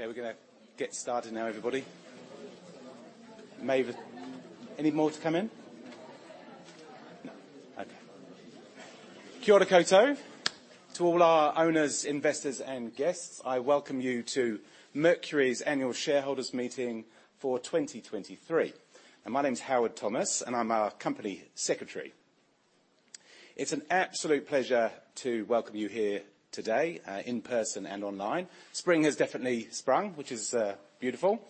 Okay, we're gonna get started now, everybody. May we have any more to come in? No. Okay. Kia ora koutou. To all our owners, investors, and guests, I welcome you to Mercury's Annual Shareholders' Meeting for 2023. Now, my name's Howard Thomas, and I'm our Company Secretary. It's an absolute pleasure to welcome you here today in person and online. Spring has definitely sprung, which is beautiful.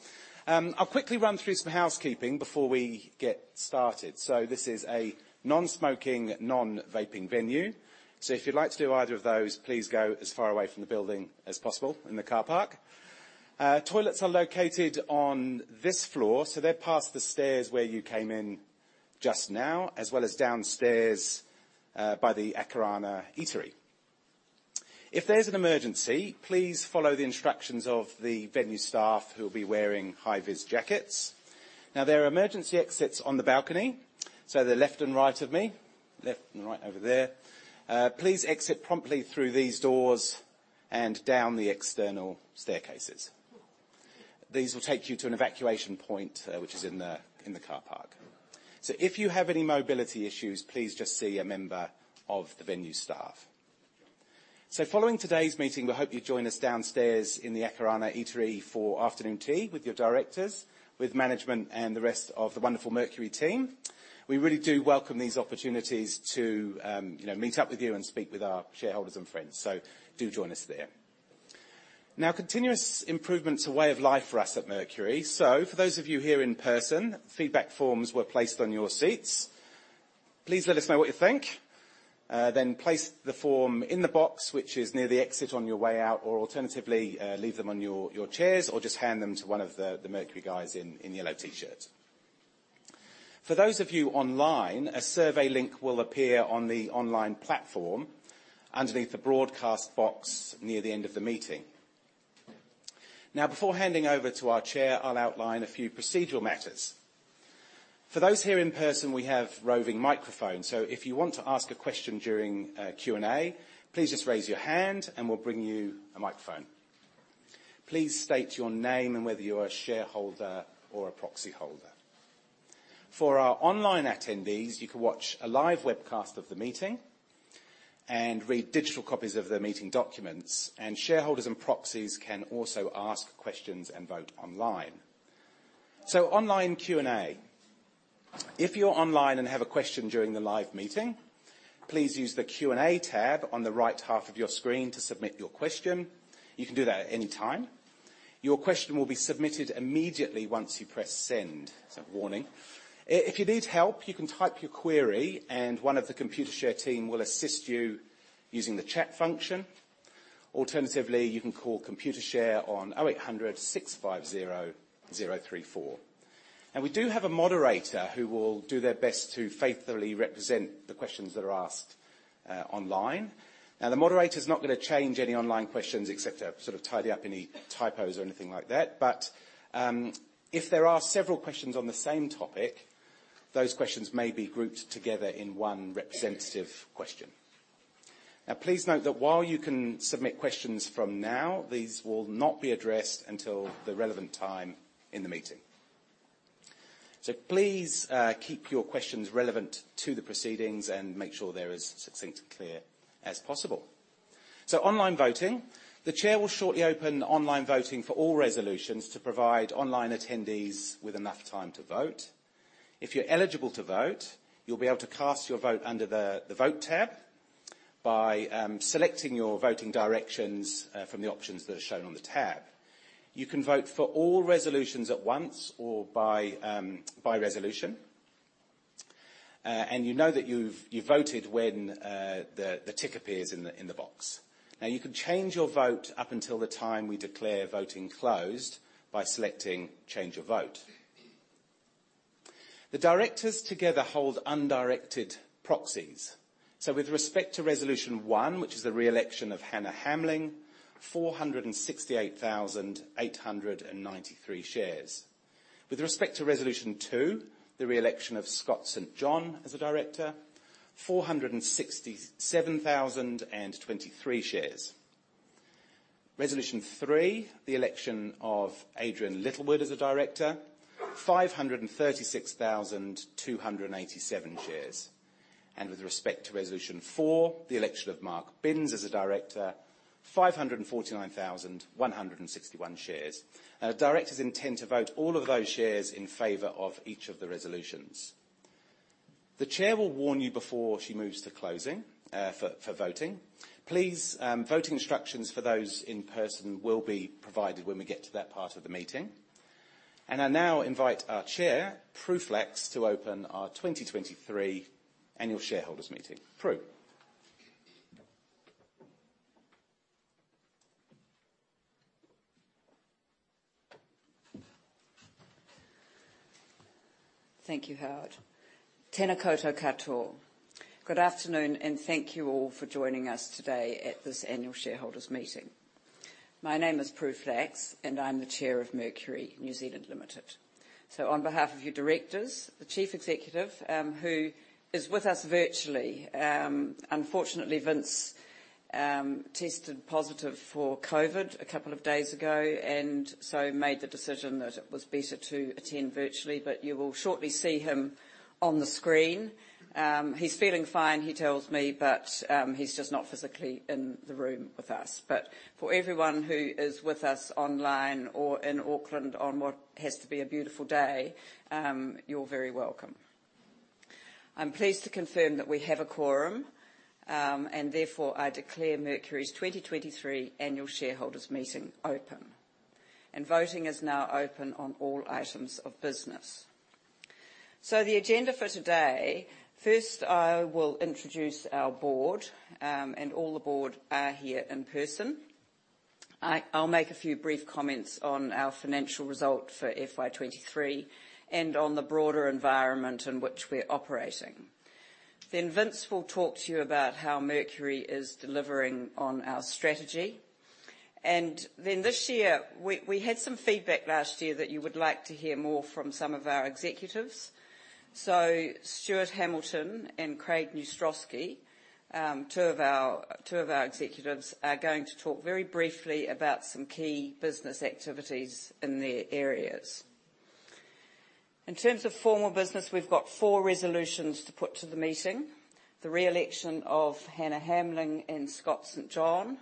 I'll quickly run through some housekeeping before we get started. So this is a non-smoking, non-vaping venue. So if you'd like to do either of those, please go as far away from the building as possible in the car park. Toilets are located on this floor, so they're past the stairs where you came in just now, as well as downstairs by the Akarana Eatery. If there's an emergency, please follow the instructions of the venue staff, who will be wearing high-vis jackets. Now, there are emergency exits on the balcony, so they're left and right of me. Left and right over there. Please exit promptly through these doors and down the external staircases. These will take you to an evacuation point, which is in the car park. So if you have any mobility issues, please just see a member of the venue staff. So following today's meeting, we hope you join us downstairs in the Akarana Eatery for afternoon tea with your directors, with management, and the rest of the wonderful Mercury team. We really do welcome these opportunities to, you know, meet up with you and speak with our shareholders and friends, so do join us there. Now, continuous improvement is a way of life for us at Mercury, so for those of you here in person, feedback forms were placed on your seats. Please let us know what you think. Then place the form in the box, which is near the exit on your way out, or alternatively, leave them on your chairs or just hand them to one of the Mercury guys in yellow T-shirts. For those of you online, a survey link will appear on the online platform underneath the broadcast box near the end of the meeting. Now, before handing over to our chair, I'll outline a few procedural matters. For those here in person, we have roving microphones, so if you want to ask a question during Q&A, please just raise your hand, and we'll bring you a microphone. Please state your name and whether you're a shareholder or a proxyholder. For our online attendees, you can watch a live webcast of the meeting and read digital copies of the meeting documents, and shareholders and proxies can also ask questions and vote online. So online Q&A. If you're online and have a question during the live meeting, please use the Q&A tab on the right half of your screen to submit your question. You can do that at any time. Your question will be submitted immediately once you press Send, so warning. If you need help, you can type your query, and one of the Computershare team will assist you using the chat function. Alternatively, you can call Computershare on 0800 650 034. We do have a moderator who will do their best to faithfully represent the questions that are asked online. Now, the moderator is not gonna change any online questions except to sort of tidy up any typos or anything like that. But, if there are several questions on the same topic, those questions may be grouped together in one representative question. Now, please note that while you can submit questions from now, these will not be addressed until the relevant time in the meeting. So please, keep your questions relevant to the proceedings and make sure they're as succinct and clear as possible. So online voting. The chair will shortly open online voting for all resolutions to provide online attendees with enough time to vote. If you're eligible to vote, you'll be able to cast your vote under the Vote tab by selecting your voting directions from the options that are shown on the tab. You can vote for all resolutions at once or by resolution. And you know that you've voted when the tick appears in the box. Now, you can change your vote up until the time we declare voting closed by selecting Change Your Vote. The directors together hold undirected proxies. So with respect to Resolution One, which is the re-election of Hannah Hamling, 468,893 shares. With respect to Resolution Two, the re-election of Scott St. John as a director, 467,023 shares. Resolution Three, the election of Adrian Littlewood as a director, 536,287 shares. With respect to Resolution Four, the election of Mark Binns as a director, 549,161 shares. Directors intend to vote all of those shares in favor of each of the resolutions. The chair will warn you before she moves to closing for voting. Please, voting instructions for those in person will be provided when we get to that part of the meeting. I now invite our chair, Prue Flacks, to open our 2023 Annual Shareholders Meeting. Prue? Thank you, Howard. Tēnā koutou katoa. Good afternoon, and thank you all for joining us today at this Annual Shareholders Meeting. My name is Prue Flacks, and I'm the Chair of Mercury New Zealand Limited. So on behalf of your directors, the Chief Executive, who is with us virtually. Unfortunately, Vince tested positive for COVID a couple of days ago, and so made the decision that it was better to attend virtually, but you will shortly see him on the screen. He's feeling fine, he tells me, but, he's just not physically in the room with us. But for everyone who is with us online or in Auckland on what has to be a beautiful day, you're very welcome. I'm pleased to confirm that we have a quorum, and therefore, I declare Mercury's 2023 Annual Shareholders Meeting open, and voting is now open on all items of business. So the agenda for today: first, I will introduce our board, and all the board are here in person. I'll make a few brief comments on our financial result for FY 2023 and on the broader environment in which we're operating. Then Vince will talk to you about how Mercury is delivering on our strategy. And then this year, we had some feedback last year that you would like to hear more from some of our executives, so Stuart Hamilton and Craig Neustroski, two of our executives, are going to talk very briefly about some key business activities in their areas. In terms of formal business, we've got 4 resolutions to put to the meeting: the re-election of Hannah Hamling and Scott St. John,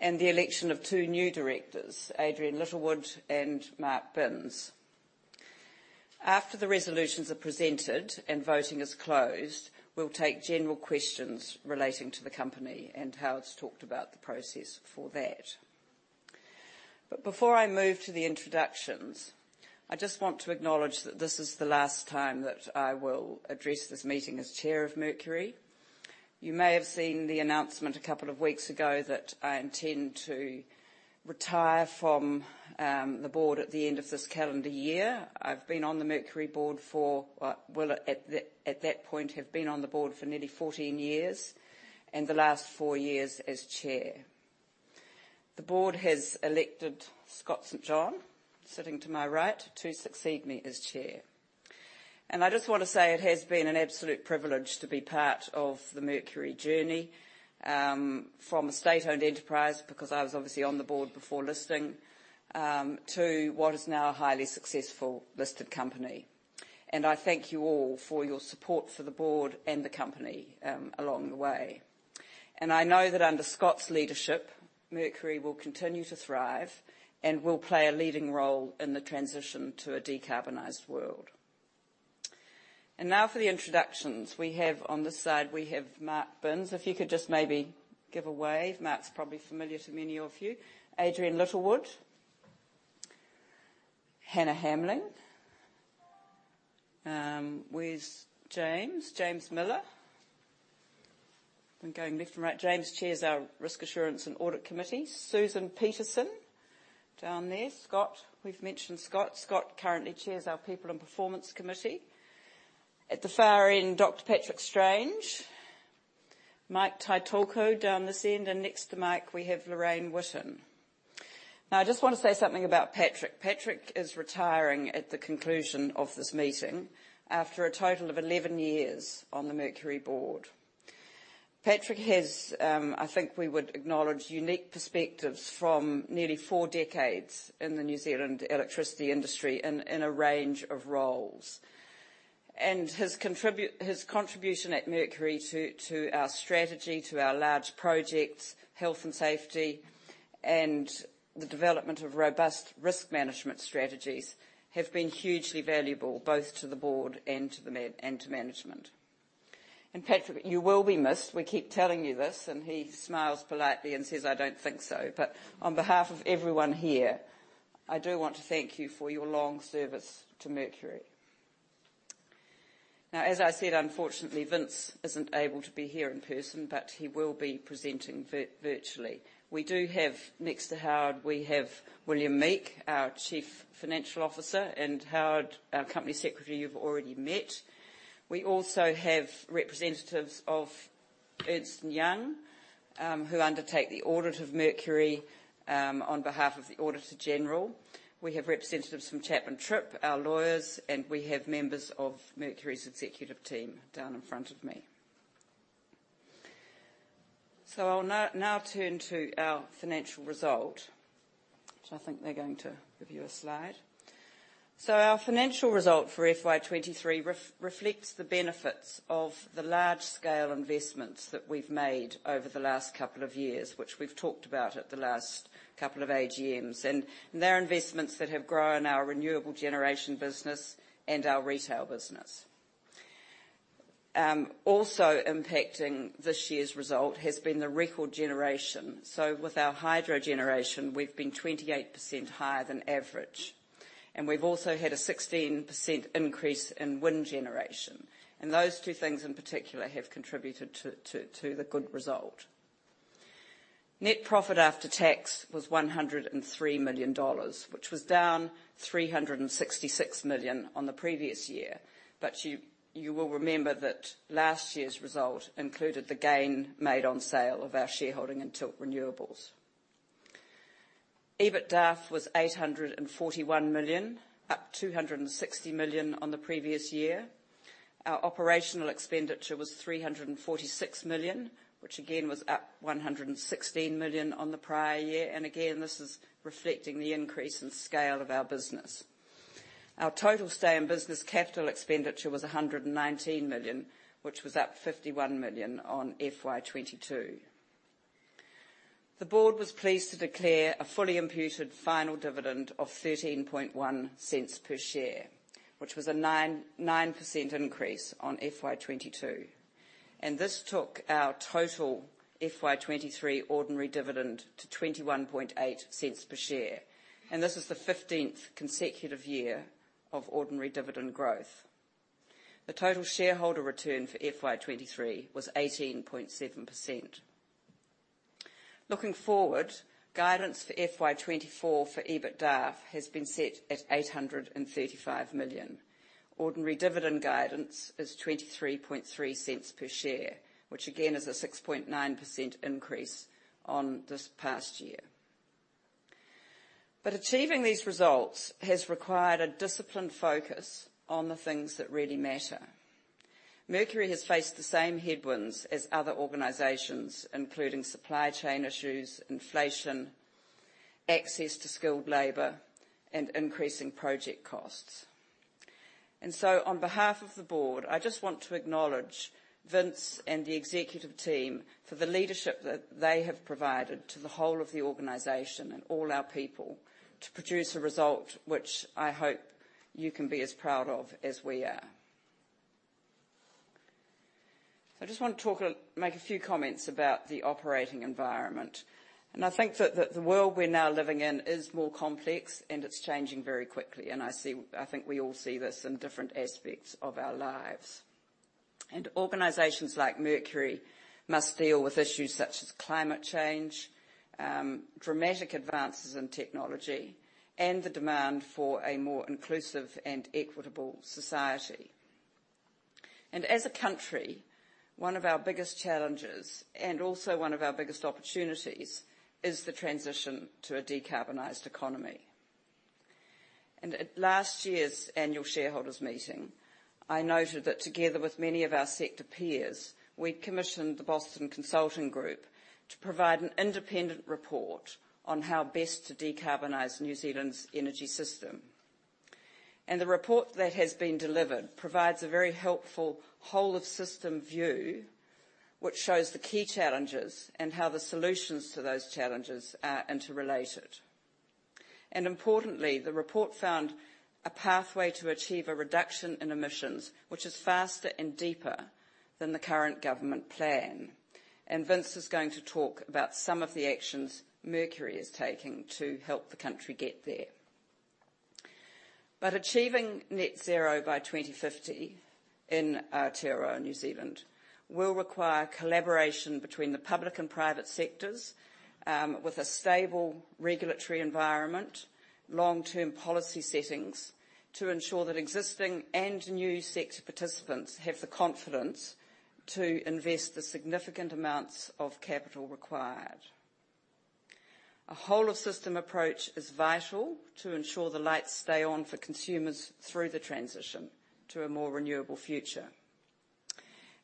and the election of 2 new directors, Adrian Littlewood and Mark Binns. After the resolutions are presented and voting is closed, we'll take general questions relating to the company, and Howard's talked about the process for that. But before I move to the introductions, I just want to acknowledge that this is the last time that I will address this meeting as Chair of Mercury. You may have seen the announcement a couple of weeks ago that I intend to retire from the board at the end of this calendar year. I've been on the Mercury board for, well, at that point, have been on the board for nearly 14 years, and the last 4 years as Chair. The board has elected Scott St. John, sitting to my right, to succeed me as Chair. I just want to say it has been an absolute privilege to be part of the Mercury journey, from a state-owned enterprise, because I was obviously on the board before listing, to what is now a highly successful listed company, and I thank you all for your support for the board and the company, along the way. I know that under Scott's leadership, Mercury will continue to thrive and will play a leading role in the transition to a decarbonized world. Now for the introductions. We have, on this side, we have Mark Binns. If you could just maybe give a wave. Mark's probably familiar to many of you. Adrian Littlewood, Hannah Hamling. Where's James? James Miller. I'm going left to right. James chairs our Risk Assurance and Audit Committee. Susan Peterson, down there. Scott, we've mentioned Scott. Scott currently chairs our People and Performance Committee. At the far end, Dr. Patrick Strange. Mike Taitoko, down this end, and next to Mike, we have Lorraine Witten. Now, I just want to say something about Patrick. Patrick is retiring at the conclusion of this meeting after a total of 11 years on the Mercury board. Patrick has, I think we would acknowledge, unique perspectives from nearly four decades in the New Zealand electricity industry in a range of roles. His contribution at Mercury to our strategy, to our large projects, health and safety, and the development of robust risk management strategies, have been hugely valuable, both to the board and to management. Patrick, you will be missed. We keep telling you this, and he smiles politely and says, "I don't think so." On behalf of everyone here, I do want to thank you for your long service to Mercury. As I said, unfortunately, Vince isn't able to be here in person, but he will be presenting virtually. We do have, next to Howard, William Meek, our Chief Financial Officer, and Howard, our Company Secretary, you've already met. We also have representatives of Ernst & Young, who undertake the audit of Mercury on behalf of the Auditor General. We have representatives from Chapman Tripp, our lawyers, and we have members of Mercury's executive team down in front of me. I'll now turn to our financial result, which I think they're going to give you a slide. So our financial result for FY 2023 reflects the benefits of the large-scale investments that we've made over the last couple of years, which we've talked about at the last couple of AGMs, and they're investments that have grown our renewable generation business and our retail business. Also impacting this year's result has been the record generation. So with our hydro generation, we've been 28% higher than average, and we've also had a 16% increase in wind generation, and those two things in particular have contributed to the good result. Net profit after tax was 103 million dollars, which was down 366 million on the previous year, but you will remember that last year's result included the gain made on sale of our shareholding in Tilt Renewables. EBITDAF was 841 million, up 260 million on the previous year. Our operational expenditure was 346 million, which again, was up 116 million on the prior year. This is reflecting the increase in scale of our business. Our total stay in business capital expenditure was 119 million, which was up 51 million on FY 2022. The board was pleased to declare a fully imputed final dividend of 13.1 cents per share, which was a 9.9% increase on FY 2022. This took our total FY 2023 ordinary dividend to 21.8 cents per share, and this is the 15th consecutive year of ordinary dividend growth. The total shareholder return for FY 2023 was 18.7%. Looking forward, guidance for FY 2024 for EBITDAF has been set at 835 million. Ordinary dividend guidance is 0.233 per share, which again, is a 6.9% increase on this past year. But achieving these results has required a disciplined focus on the things that really matter. Mercury has faced the same headwinds as other organizations, including supply chain issues, inflation, access to skilled labor, and increasing project costs. And so on behalf of the board, I just want to acknowledge Vince and the executive team for the leadership that they have provided to the whole of the organization and all our people, to produce a result which I hope you can be as proud of as we are. I just want to talk, make a few comments about the operating environment, and I think that the world we're now living in is more complex, and it's changing very quickly. And I see, I think we all see this in different aspects of our lives. And organizations like Mercury must deal with issues such as climate change, dramatic advances in technology, and the demand for a more inclusive and equitable society. And as a country, one of our biggest challenges, and also one of our biggest opportunities, is the transition to a decarbonized economy. And at last year's annual shareholders' meeting, I noted that together with many of our sector peers, we'd commissioned the Boston Consulting Group to provide an independent report on how best to decarbonize New Zealand's energy system. The report that has been delivered provides a very helpful whole of system view, which shows the key challenges and how the solutions to those challenges are interrelated. Importantly, the report found a pathway to achieve a reduction in emissions, which is faster and deeper than the current government plan. Vince is going to talk about some of the actions Mercury is taking to help the country get there. But achieving Net Zero by 2050 in Āotearoa, New Zealand, will require collaboration between the public and private sectors, with a stable regulatory environment, long-term policy settings, to ensure that existing and new sector participants have the confidence to invest the significant amounts of capital required. A whole of system approach is vital to ensure the lights stay on for consumers through the transition to a more renewable future.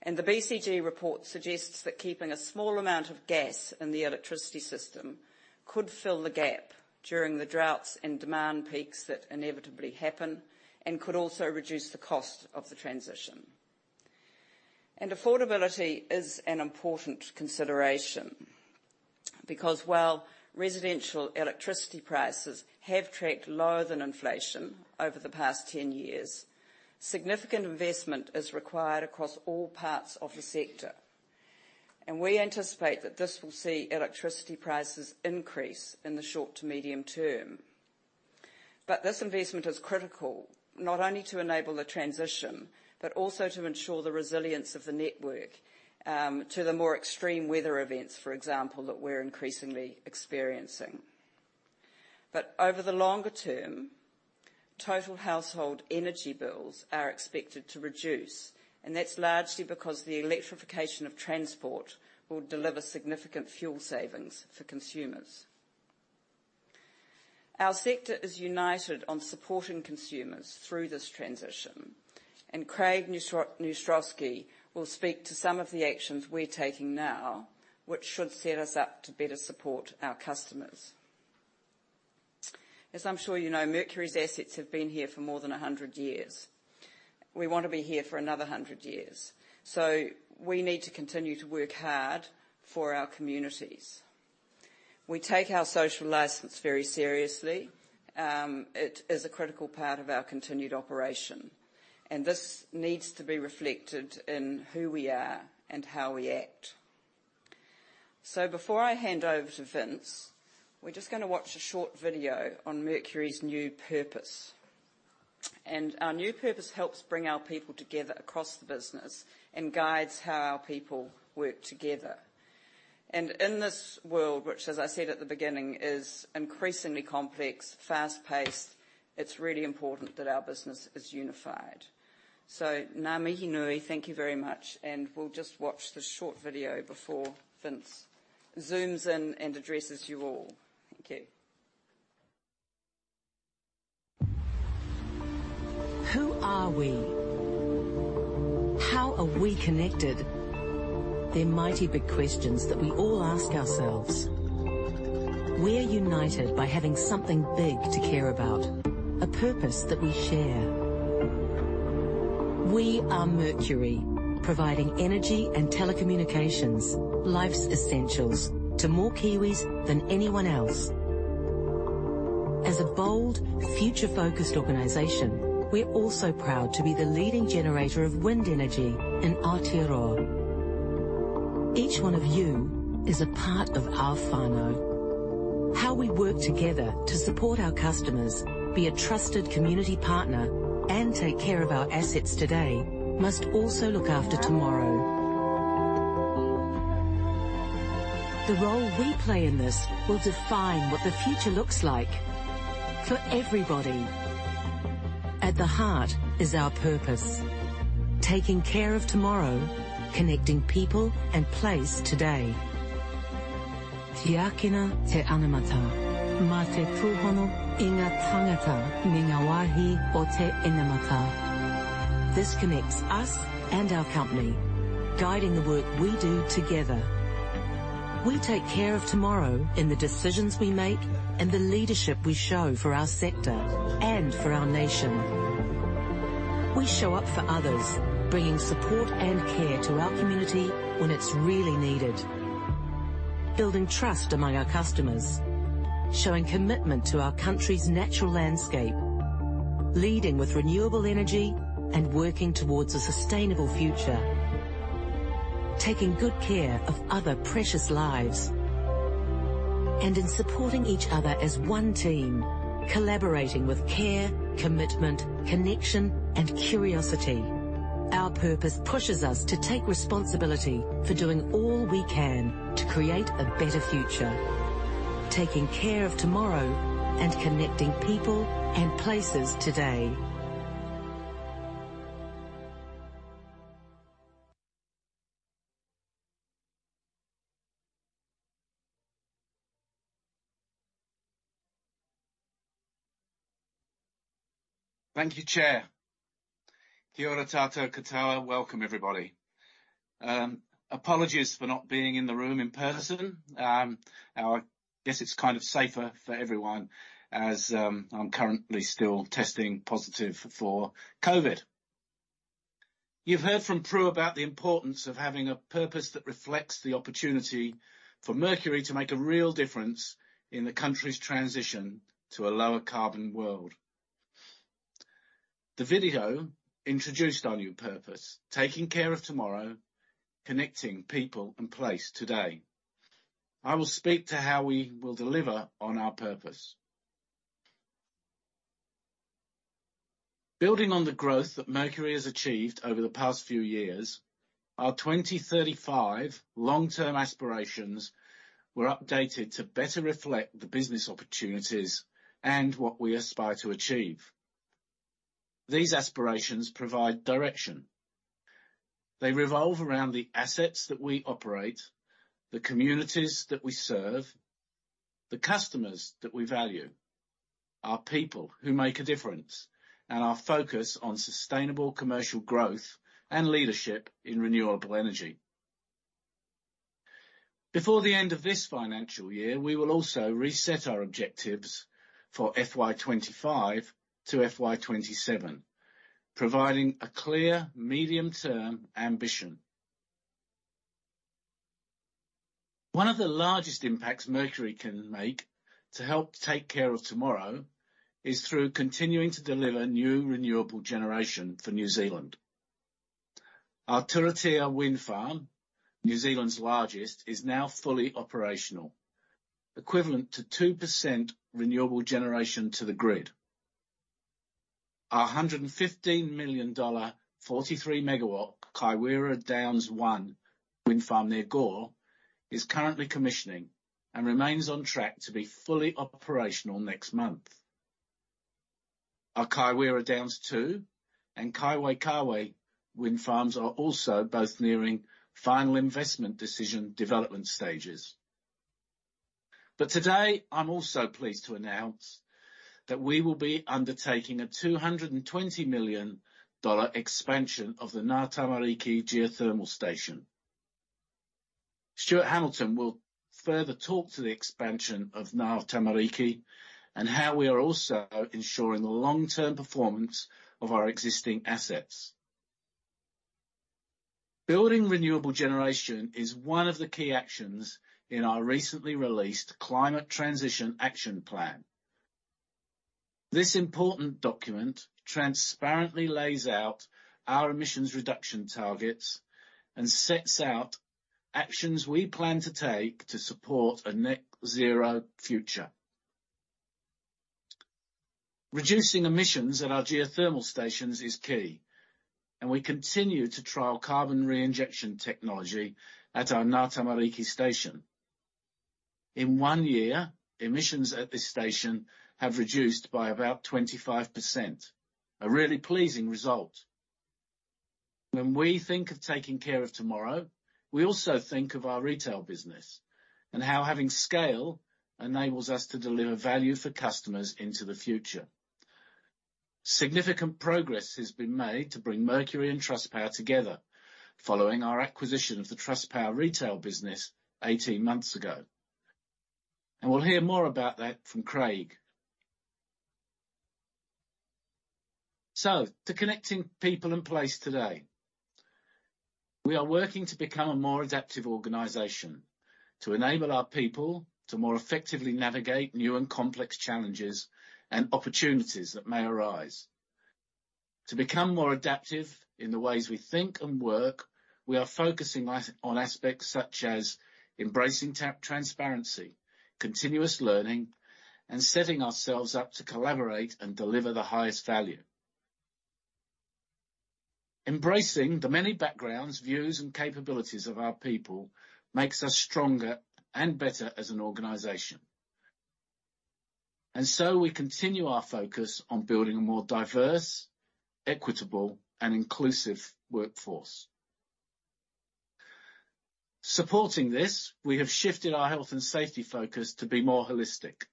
The BCG report suggests that keeping a small amount of gas in the electricity system could fill the gap during the droughts and demand peaks that inevitably happen and could also reduce the cost of the transition. Affordability is an important consideration, because while residential electricity prices have tracked lower than inflation over the past 10 years, significant investment is required across all parts of the sector, and we anticipate that this will see electricity prices increase in the short to medium term. This investment is critical, not only to enable the transition, but also to ensure the resilience of the network, to the more extreme weather events, for example, that we're increasingly experiencing. Over the longer term, total household energy bills are expected to reduce, and that's largely because the electrification of transport will deliver significant fuel savings for consumers. Our sector is united on supporting consumers through this transition, and Craig Neustroski will speak to some of the actions we're taking now, which should set us up to better support our customers. As I'm sure you know, Mercury's assets have been here for more than a hundred years. We want to be here for another hundred years, so we need to continue to work hard for our communities. We take our social license very seriously. It is a critical part of our continued operation, and this needs to be reflected in who we are and how we act. So before I hand over to Vince, we're just gonna watch a short video on Mercury's new purpose. And our new purpose helps bring our people together across the business and guides how our people work together. In this world, which, as I said at the beginning, is increasingly complex, fast-paced, it's really important that our business is unified. Ngā mihi nui, thank you very much, and we'll just watch this short video before Vince zooms in and addresses you all. Thank you. Who are we? How are we connected? They're mighty big questions that we all ask ourselves. We're united by having something big to care about, a purpose that we share. We are Mercury, providing energy and telecommunications, life's essentials, to more Kiwis than anyone else. As a bold, future-focused organization, we're also proud to be the leading generator of wind energy in Aotearoa. Each one of you is a part of our whānau. How we work together to support our customers, be a trusted community partner, and take care of our assets today, must also look after tomorrow. The role we play in this will define what the future looks like for everybody. At the heart is our purpose: taking care of tomorrow, connecting people and place today. Tiakina te anamata, me te tūhono i ngā tāngata me ngā wāhi o te inamata. This connects us and our company, guiding the work we do together. We take care of tomorrow in the decisions we make and the leadership we show for our sector and for our nation. We show up for others, bringing support and care to our community when it's really needed, building trust among our customers, showing commitment to our country's natural landscape, leading with renewable energy, and working towards a sustainable future, taking good care of other precious lives, and in supporting each other as one team, collaborating with care, commitment, connection, and curiosity. Our purpose pushes us to take responsibility for doing all we can to create a better future. Taking care of tomorrow and connecting people and places today. Thank you, Chair. Kia ora koutou katoa. Welcome, everybody. Apologies for not being in the room in person. I guess it's kind of safer for everyone as I'm currently still testing positive for COVID. You've heard from Pru about the importance of having a purpose that reflects the opportunity for Mercury to make a real difference in the country's transition to a lower carbon world. The video introduced our new purpose: taking care of tomorrow, connecting people and place today. I will speak to how we will deliver on our purpose. Building on the growth that Mercury has achieved over the past few years, our 2035 long-term aspirations were updated to better reflect the business opportunities and what we aspire to achieve. These aspirations provide direction. They revolve around the assets that we operate, the communities that we serve, the customers that we value, our people who make a difference, and our focus on sustainable commercial growth and leadership in renewable energy. Before the end of this financial year, we will also reset our objectives for FY 25 to FY 27, providing a clear medium-term ambition. One of the largest impacts Mercury can make to help take care of tomorrow is through continuing to deliver new renewable generation for New Zealand. Our Turitea Wind Farm, New Zealand's largest, is now fully operational, equivalent to 2% renewable generation to the grid. Our NZD 115 million, 43 MW Kaiwera Downs One Wind Farm near Gore is currently commissioning and remains on track to be fully operational next month. Our Kaiwera Downs Two and Kaiwaikawe wind farms are also both nearing final investment decision development stages. Today, I'm also pleased to announce that we will be undertaking a 220 million dollar expansion of the Ngatamariki Geothermal Station. Stuart Hamilton will further talk to the expansion of Ngatamariki and how we are also ensuring the long-term performance of our existing assets. Building renewable generation is one of the key actions in our recently released Climate Transition Action Plan. This important document transparently lays out our emissions reduction targets and sets out actions we plan to take to support a net zero future. Reducing emissions at our geothermal stations is key, and we continue to trial carbon reinjection technology at our Ngatamariki station. In one year, emissions at this station have reduced by about 25%. A really pleasing result. When we think of taking care of tomorrow, we also think of our retail business and how having scale enables us to deliver value for customers into the future. Significant progress has been made to bring Mercury and Trustpower together, following our acquisition of the Trustpower retail business 18 months ago. We'll hear more about that from Craig. To connecting people and place today, we are working to become a more adaptive organization, to enable our people to more effectively navigate new and complex challenges and opportunities that may arise. To become more adaptive in the ways we think and work, we are focusing as-- on aspects such as embracing transparency, continuous learning, and setting ourselves up to collaborate and deliver the highest value. Embracing the many backgrounds, views, and capabilities of our people makes us stronger and better as an organization. We continue our focus on building a more diverse, equitable, and inclusive workforce. Supporting this, we have shifted our health and safety focus to be more holistic,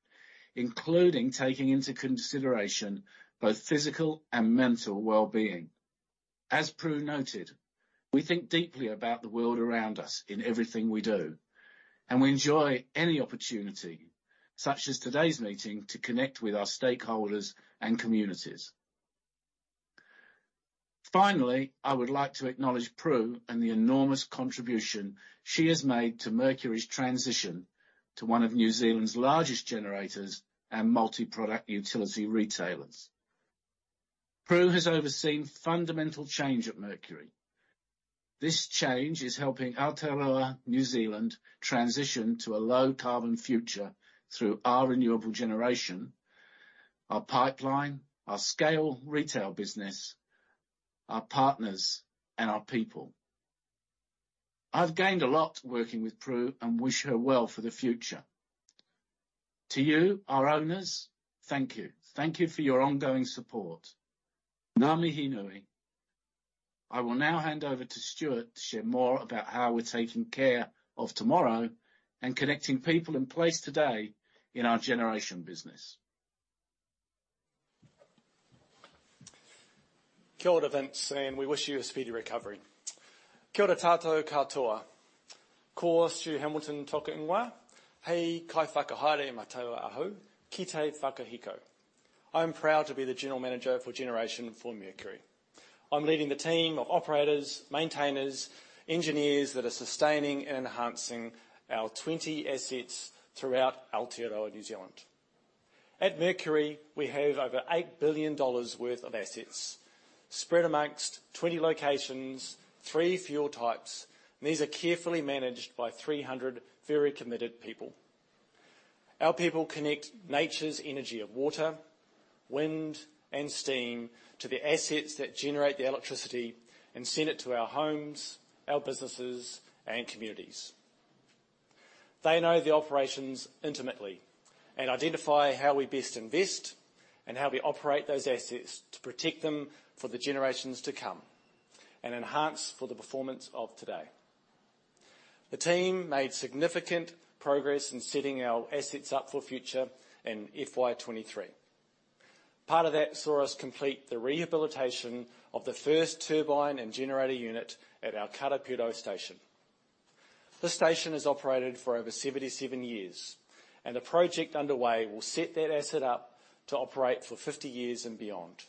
including taking into consideration both physical and mental well-being. As Prue noted, we think deeply about the world around us in everything we do, and we enjoy any opportunity, such as today's meeting, to connect with our stakeholders and communities. Finally, I would like to acknowledge Prue and the enormous contribution she has made to Mercury's transition to one of New Zealand's largest generators and multi-product utility retailers. Prue has overseen fundamental change at Mercury. This change is helping Aotearoa, New Zealand transition to a low-carbon future through our renewable generation, our pipeline, our scale retail business, our partners, and our people. I've gained a lot working with Prue and wish her well for the future. To you, our owners, thank you. Thank you for your ongoing support. I will now hand over to Stuart to share more about how we're taking care of tomorrow and connecting people in place today in our generation business. Kia ora, Vince, and we wish you a speedy recovery. Kia ora tātou katoa. Ko Stu Hamilton toku ingoa. He kaiwhakahaere mā taua ahau ki te Whakahiko. I'm proud to be the General Manager for Generation for Mercury. I'm leading the team of operators, maintainers, engineers that are sustaining and enhancing our 20 assets throughout Aotearoa, New Zealand. At Mercury, we have over 8 billion dollars worth of assets spread amongst 20 locations, three fuel types, and these are carefully managed by 300 very committed people. Our people connect nature's energy of water, wind, and steam to the assets that generate the electricity and send it to our homes, our businesses, and communities. They know the operations intimately and identify how we best invest and how we operate those assets to protect them for the generations to come and enhance for the performance of today. The team made significant progress in setting our assets up for future in FY 2023. Part of that saw us complete the rehabilitation of the first turbine and generator unit at our Karapiro Power Station. This station has operated for over 77 years, and the project underway will set that asset up to operate for 50 years and beyond.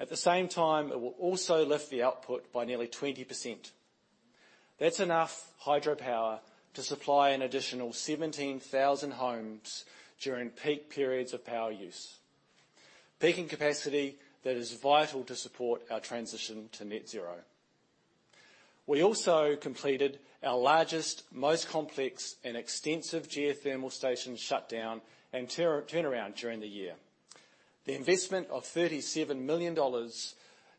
At the same time, it will also lift the output by nearly 20%. That's enough hydropower to supply an additional 17,000 homes during peak periods of power use, peaking capacity that is vital to support our transition to Net Zero. We also completed our largest, most complex and extensive geothermal station shutdown and turnaround during the year. The investment of 37 million dollars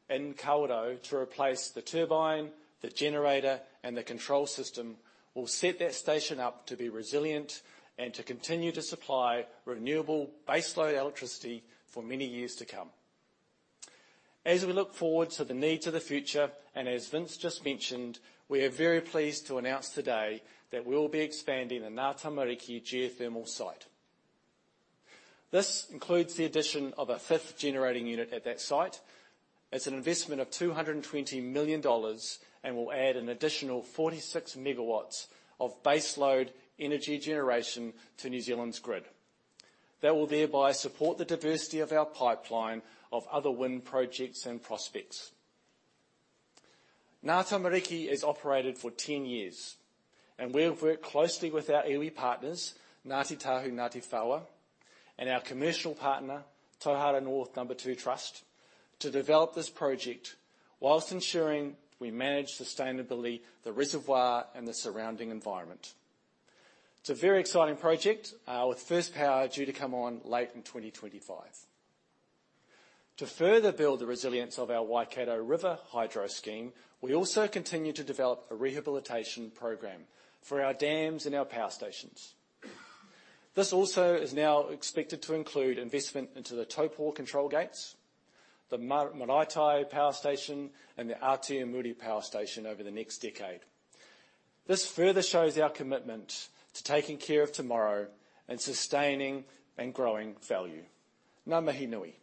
in Kawerau to replace the turbine, the generator, and the control system, will set that station up to be resilient and to continue to supply renewable baseload electricity for many years to come. As we look forward to the needs of the future, and as Vince just mentioned, we are very pleased to announce today that we'll be expanding the Ngātamariki geothermal site. This includes the addition of a fifth generating unit at that site. It's an investment of 220 million dollars and will add an additional 46 megawatts of baseload energy generation to New Zealand's grid. That will thereby support the diversity of our pipeline of other wind projects and prospects. Ngātamariki has operated for ten years, and we have worked closely with our iwi partners, Ngāti Tahu-Ngāti Whaoa, and our commercial partner, Tauhara North No. 2 Trust, to develop this project while ensuring we manage sustainably the reservoir and the surrounding environment. It's a very exciting project, with first power due to come on late in 2025. To further build the resilience of our Waikato River hydro scheme, we also continue to develop a rehabilitation program for our dams and our power stations. This also is now expected to include investment into the Taupō control gates, the Maraetai Power Station, and the Aratiatia Power Station over the next decade. This further shows our commitment to taking care of tomorrow and sustaining and growing value. Ngā mihi nui.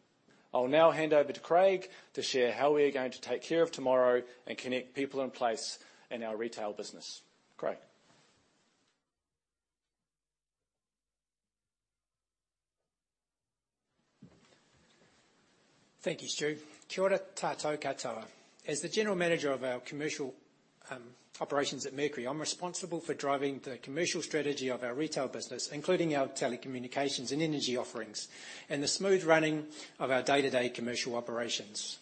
I'll now hand over to Craig to share how we are going to take care of tomorrow and connect people in place in our retail business. Craig? Thank you, Stu. Kia ora tātou katoa. As the general manager of our commercial operations at Mercury, I'm responsible for driving the commercial strategy of our retail business, including our telecommunications and energy offerings, and the smooth running of our day-to-day commercial operations.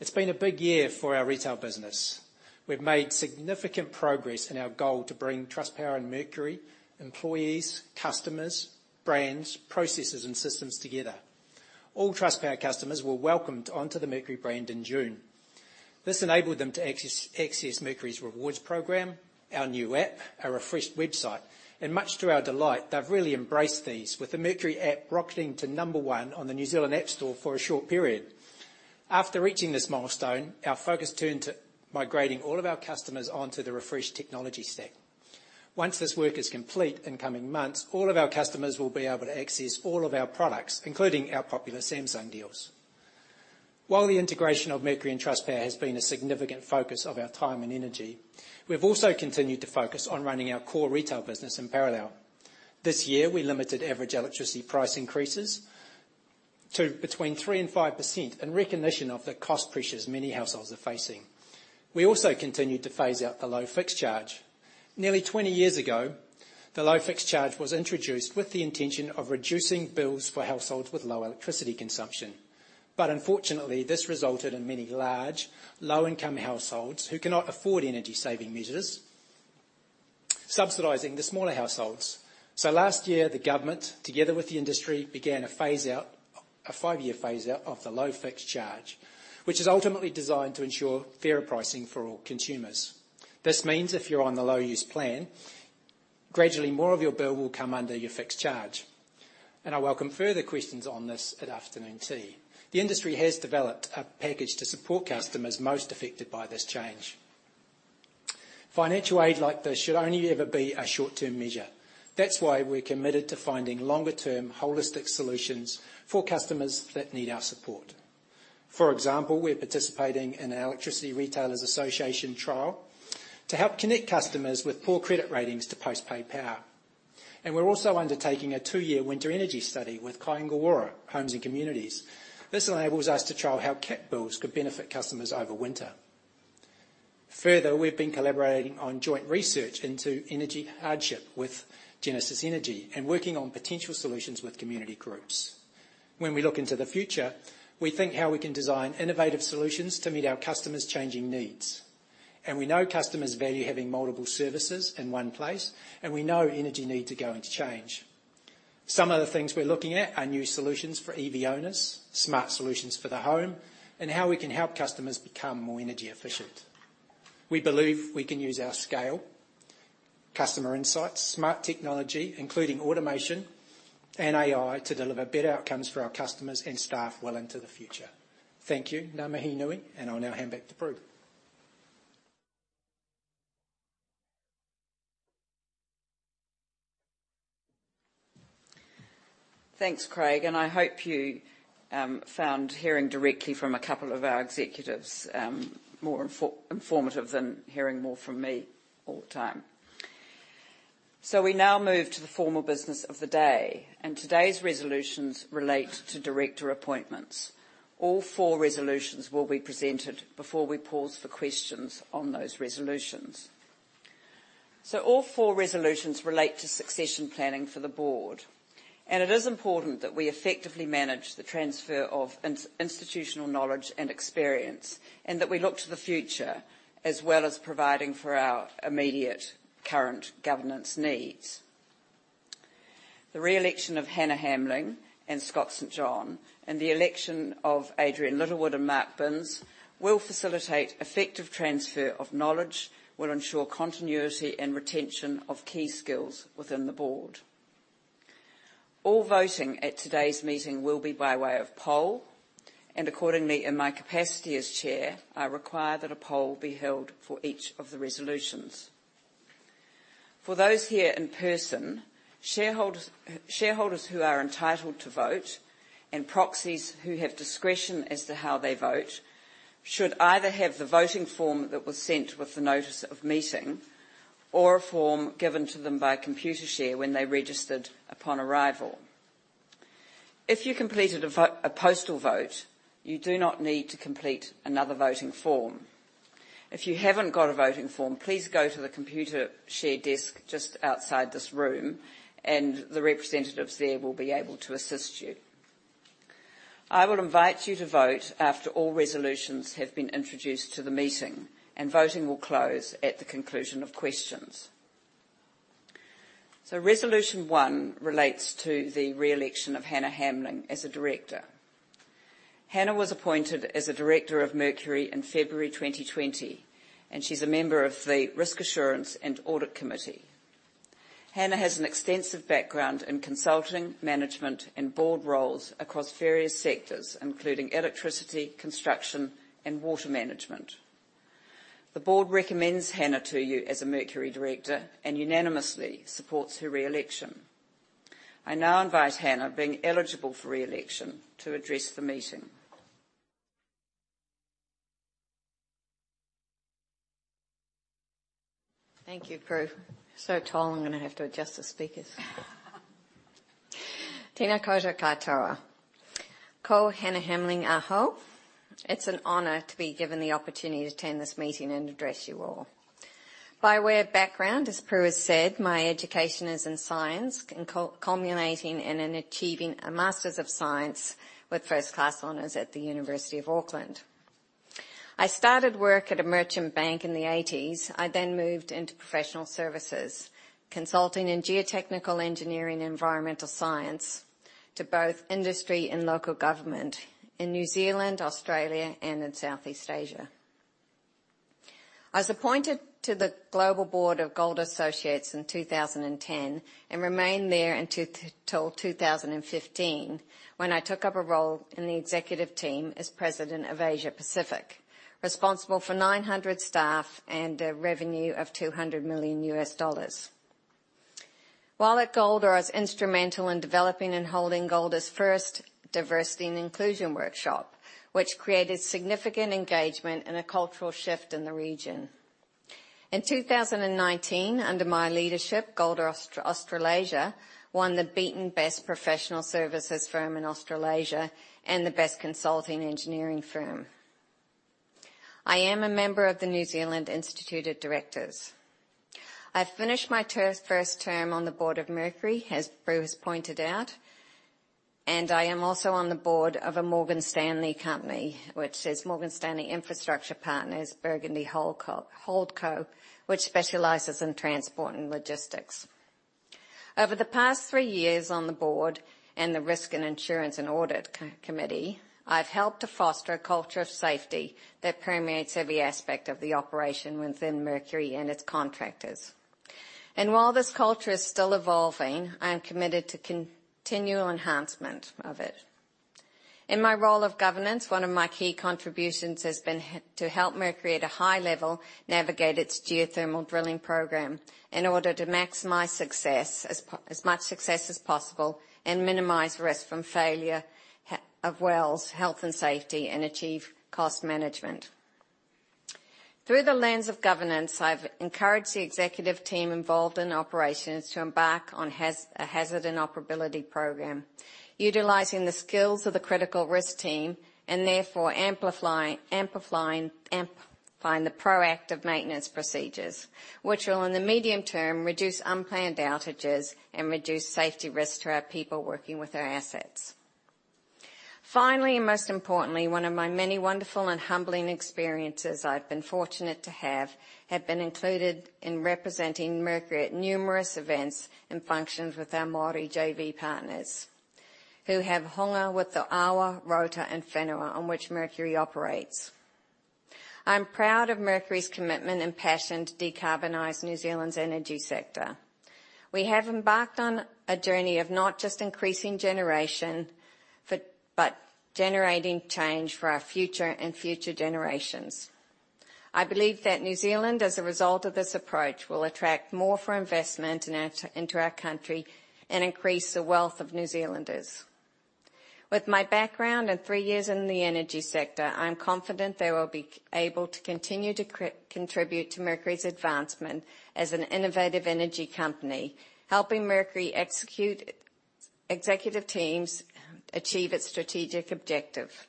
It's been a big year for our retail business. We've made significant progress in our goal to bring Trustpower and Mercury employees, customers, brands, processes, and systems together. All Trustpower customers were welcomed onto the Mercury brand in June. This enabled them to access, access Mercury's rewards program, our new app, our refreshed website, and much to our delight, they've really embraced these, with the Mercury app rocketing to number one on the New Zealand App Store for a short period. After reaching this milestone, our focus turned to migrating all of our customers onto the refreshed technology stack. Once this work is complete in coming months, all of our customers will be able to access all of our products, including our popular Samsung deals. While the integration of Mercury and Trustpower has been a significant focus of our time and energy, we've also continued to focus on running our core retail business in parallel. This year, we limited average electricity price increases to between 3% and 5%, in recognition of the cost pressures many households are facing. We also continued to phase out the Low Fixed Charge. Nearly 20 years ago, the Low Fixed Charge was introduced with the intention of reducing bills for households with low electricity consumption. But unfortunately, this resulted in many large, low-income households, who cannot afford energy-saving measures, subsidizing the smaller households. So last year, the government, together with the industry, began a phase out, a five-year phase out of the low fixed charge, which is ultimately designed to ensure fairer pricing for all consumers. This means if you're on the low use plan, gradually more of your bill will come under your fixed charge. And I welcome further questions on this at afternoon tea. The industry has developed a package to support customers most affected by this change. Financial aid like this should only ever be a short-term measure. That's why we're committed to finding longer-term, holistic solutions for customers that need our support. For example, we're participating in an Electricity Retailers’ Association trial to help connect customers with poor credit ratings to post-paid power, and we're also undertaking a two-year winter energy study with Kāinga Ora – Homes and Communities. This enables us to trial how capped bills could benefit customers over winter. Further, we've been collaborating on joint research into energy hardship with Genesis Energy and working on potential solutions with community groups. When we look into the future, we think how we can design innovative solutions to meet our customers' changing needs. And we know customers value having multiple services in one place, and we know energy needs are going to change. Some of the things we're looking at are new solutions for EV owners, smart solutions for the home, and how we can help customers become more energy efficient. We believe we can use our scale, customer insights, smart technology, including automation and AI, to deliver better outcomes for our customers and staff well into the future. Thank you. Ngā mihi nui, and I'll now hand back to Prue. Thanks, Craig, I hope you found hearing directly from a couple of our executives more informative than hearing more from me all the time. We now move to the formal business of the day, and today's resolutions relate to director appointments. All four resolutions will be presented before we pause for questions on those resolutions. All four resolutions relate to succession planning for the board, and it is important that we effectively manage the transfer of institutional knowledge and experience, and that we look to the future, as well as providing for our immediate current governance needs. The re-election of Hannah Hamling and Scott St. John and the election of Adrian Littlewood and Mark Binns will facilitate effective transfer of knowledge, will ensure continuity and retention of key skills within the board. All voting at today's meeting will be by way of poll, and accordingly, in my capacity as Chair, I require that a poll be held for each of the resolutions. For those here in person, shareholders, shareholders who are entitled to vote, and proxies who have discretion as to how they vote, should either have the voting form that was sent with the notice of meeting or a form given to them by Computershare when they registered upon arrival. If you completed a postal vote, you do not need to complete another voting form. If you haven't got a voting form, please go to the Computershare desk just outside this room, and the representatives there will be able to assist you. I will invite you to vote after all resolutions have been introduced to the meeting, and voting will close at the conclusion of questions. So Resolution One relates to the re-election of Hannah Hamling as a director. Hannah was appointed as a director of Mercury in February 2020, and she's a member of the Risk Assurance and Audit Committee. Hannah has an extensive background in consulting, management, and board roles across various sectors, including electricity, construction, and water management. The board recommends Hannah to you as a Mercury director and unanimously supports her re-election. I now invite Hannah, being eligible for re-election, to address the meeting. Thank you, Prue. You're so tall, I'm gonna have to adjust the speakers. Tēnā koutou katoa. Ko Hannah Hamling ahau. It's an honor to be given the opportunity to attend this meeting and address you all. By way of background, as Prue has said, my education is in science, and co-culminating in and achieving a Master's of Science with first-class honors at the University of Auckland. I started work at a merchant bank in the '80s. I then moved into professional services, consulting in geotechnical engineering and environmental science to both industry and local government in New Zealand, Australia, and in Southeast Asia. I was appointed to the Global Board of Golder Associates in 2010, and remained there until till 2015, when I took up a role in the executive team as President of Asia Pacific, responsible for 900 staff and a revenue of $200 million. While at Golder, I was instrumental in developing and holding Golder's first Diversity and Inclusion Workshop, which created significant engagement and a cultural shift in the region. In 2019, under my leadership, Golder Australasia won the Best Professional Services Firm in Australasia and the Best Consulting Engineering Firm. I am a member of the New Zealand Institute of Directors. I finished my term, first term on the board of Mercury, as Prue has pointed out, and I am also on the board of a Morgan Stanley company, which is Morgan Stanley Infrastructure Partners, Burgundy Holdco, which specializes in transport and logistics. Over the past three years on the board and the Risk Assurance and Audit Committee, I've helped to foster a culture of safety that permeates every aspect of the operation within Mercury and its contractors. And while this culture is still evolving, I am committed to continual enhancement of it. In my role of governance, one of my key contributions has been to help Mercury at a high level navigate its geothermal drilling program in order to maximize success as much success as possible, and minimize risk from failure of wells, health and safety, and achieve cost management. Through the lens of governance, I've encouraged the executive team involved in operations to embark on a hazard and operability program, utilizing the skills of the critical risk team, and therefore amplify and find the proactive maintenance procedures, which will, in the medium term, reduce unplanned outages and reduce safety risks to our people working with our assets. Finally, and most importantly, one of my many wonderful and humbling experiences I've been fortunate to have been included in representing Mercury at numerous events and functions with our Māori JV partners, who have hunga with the Awa, Roto, and Whenua on which Mercury operates. I'm proud of Mercury's commitment and passion to decarbonize New Zealand's energy sector. We have embarked on a journey of not just increasing generation for, but generating change for our future and future generations. I believe that New Zealand, as a result of this approach, will attract more for investment into our country and increase the wealth of New Zealanders. With my background and three years in the energy sector, I'm confident I will be able to continue to contribute to Mercury's advancement as an innovative energy company, helping Mercury's executive teams achieve its strategic objective.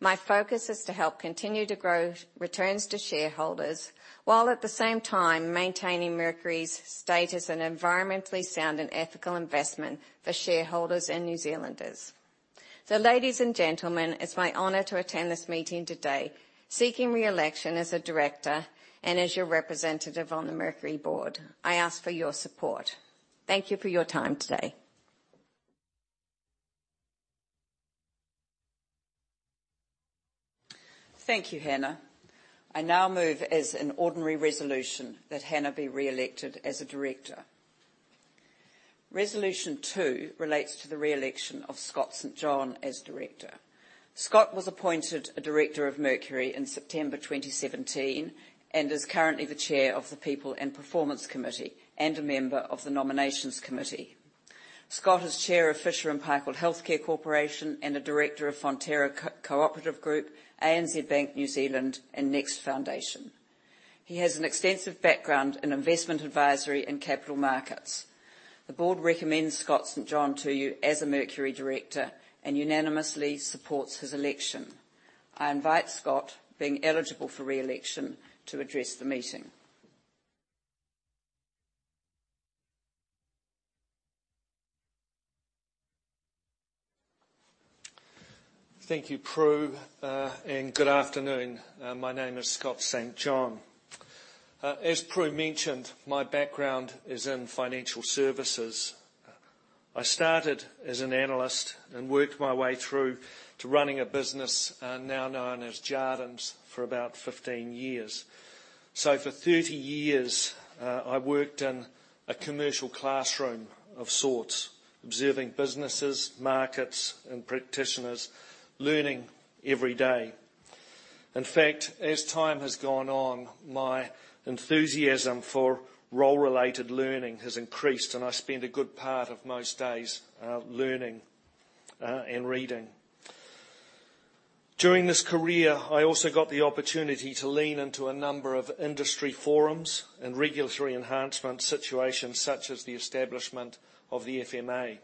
My focus is to help continue to grow returns to shareholders, while at the same time, maintaining Mercury's status as an environmentally sound and ethical investment for shareholders and New Zealanders. So, ladies and gentlemen, it's my honor to attend this meeting today seeking re-election as a director and as your representative on the Mercury board. I ask for your support. Thank you for your time today. Thank you, Hannah. I now move as an ordinary resolution that Hannah be re-elected as a director. Resolution two relates to the re-election of Scott St. John as director. Scott was appointed a director of Mercury in September 2017, and is currently the Chair of the People and Performance Committee, and a member of the Nominations Committee. Scott is Chair of Fisher & Paykel Healthcare Corporation, and a director of Fonterra Co-operative Group, ANZ Bank New Zealand, and NEXT Foundation. He has an extensive background in investment advisory and capital markets. The board recommends Scott St. John to you as a Mercury director and unanimously supports his election. I invite Scott, being eligible for re-election, to address the meeting. Thank you, Prue, and good afternoon. My name is Scott St. John. As Prue mentioned, my background is in financial services. I started as an analyst and worked my way through to running a business, now known as Jardines, for about 15 years. So for 30 years, I worked in a commercial classroom of sorts, observing businesses, markets, and practitioners, learning every day. In fact, as time has gone on, my enthusiasm for role-related learning has increased, and I spend a good part of most days, learning, and reading. During this career, I also got the opportunity to lean into a number of industry forums and regulatory enhancement situations, such as the establishment of the FMA.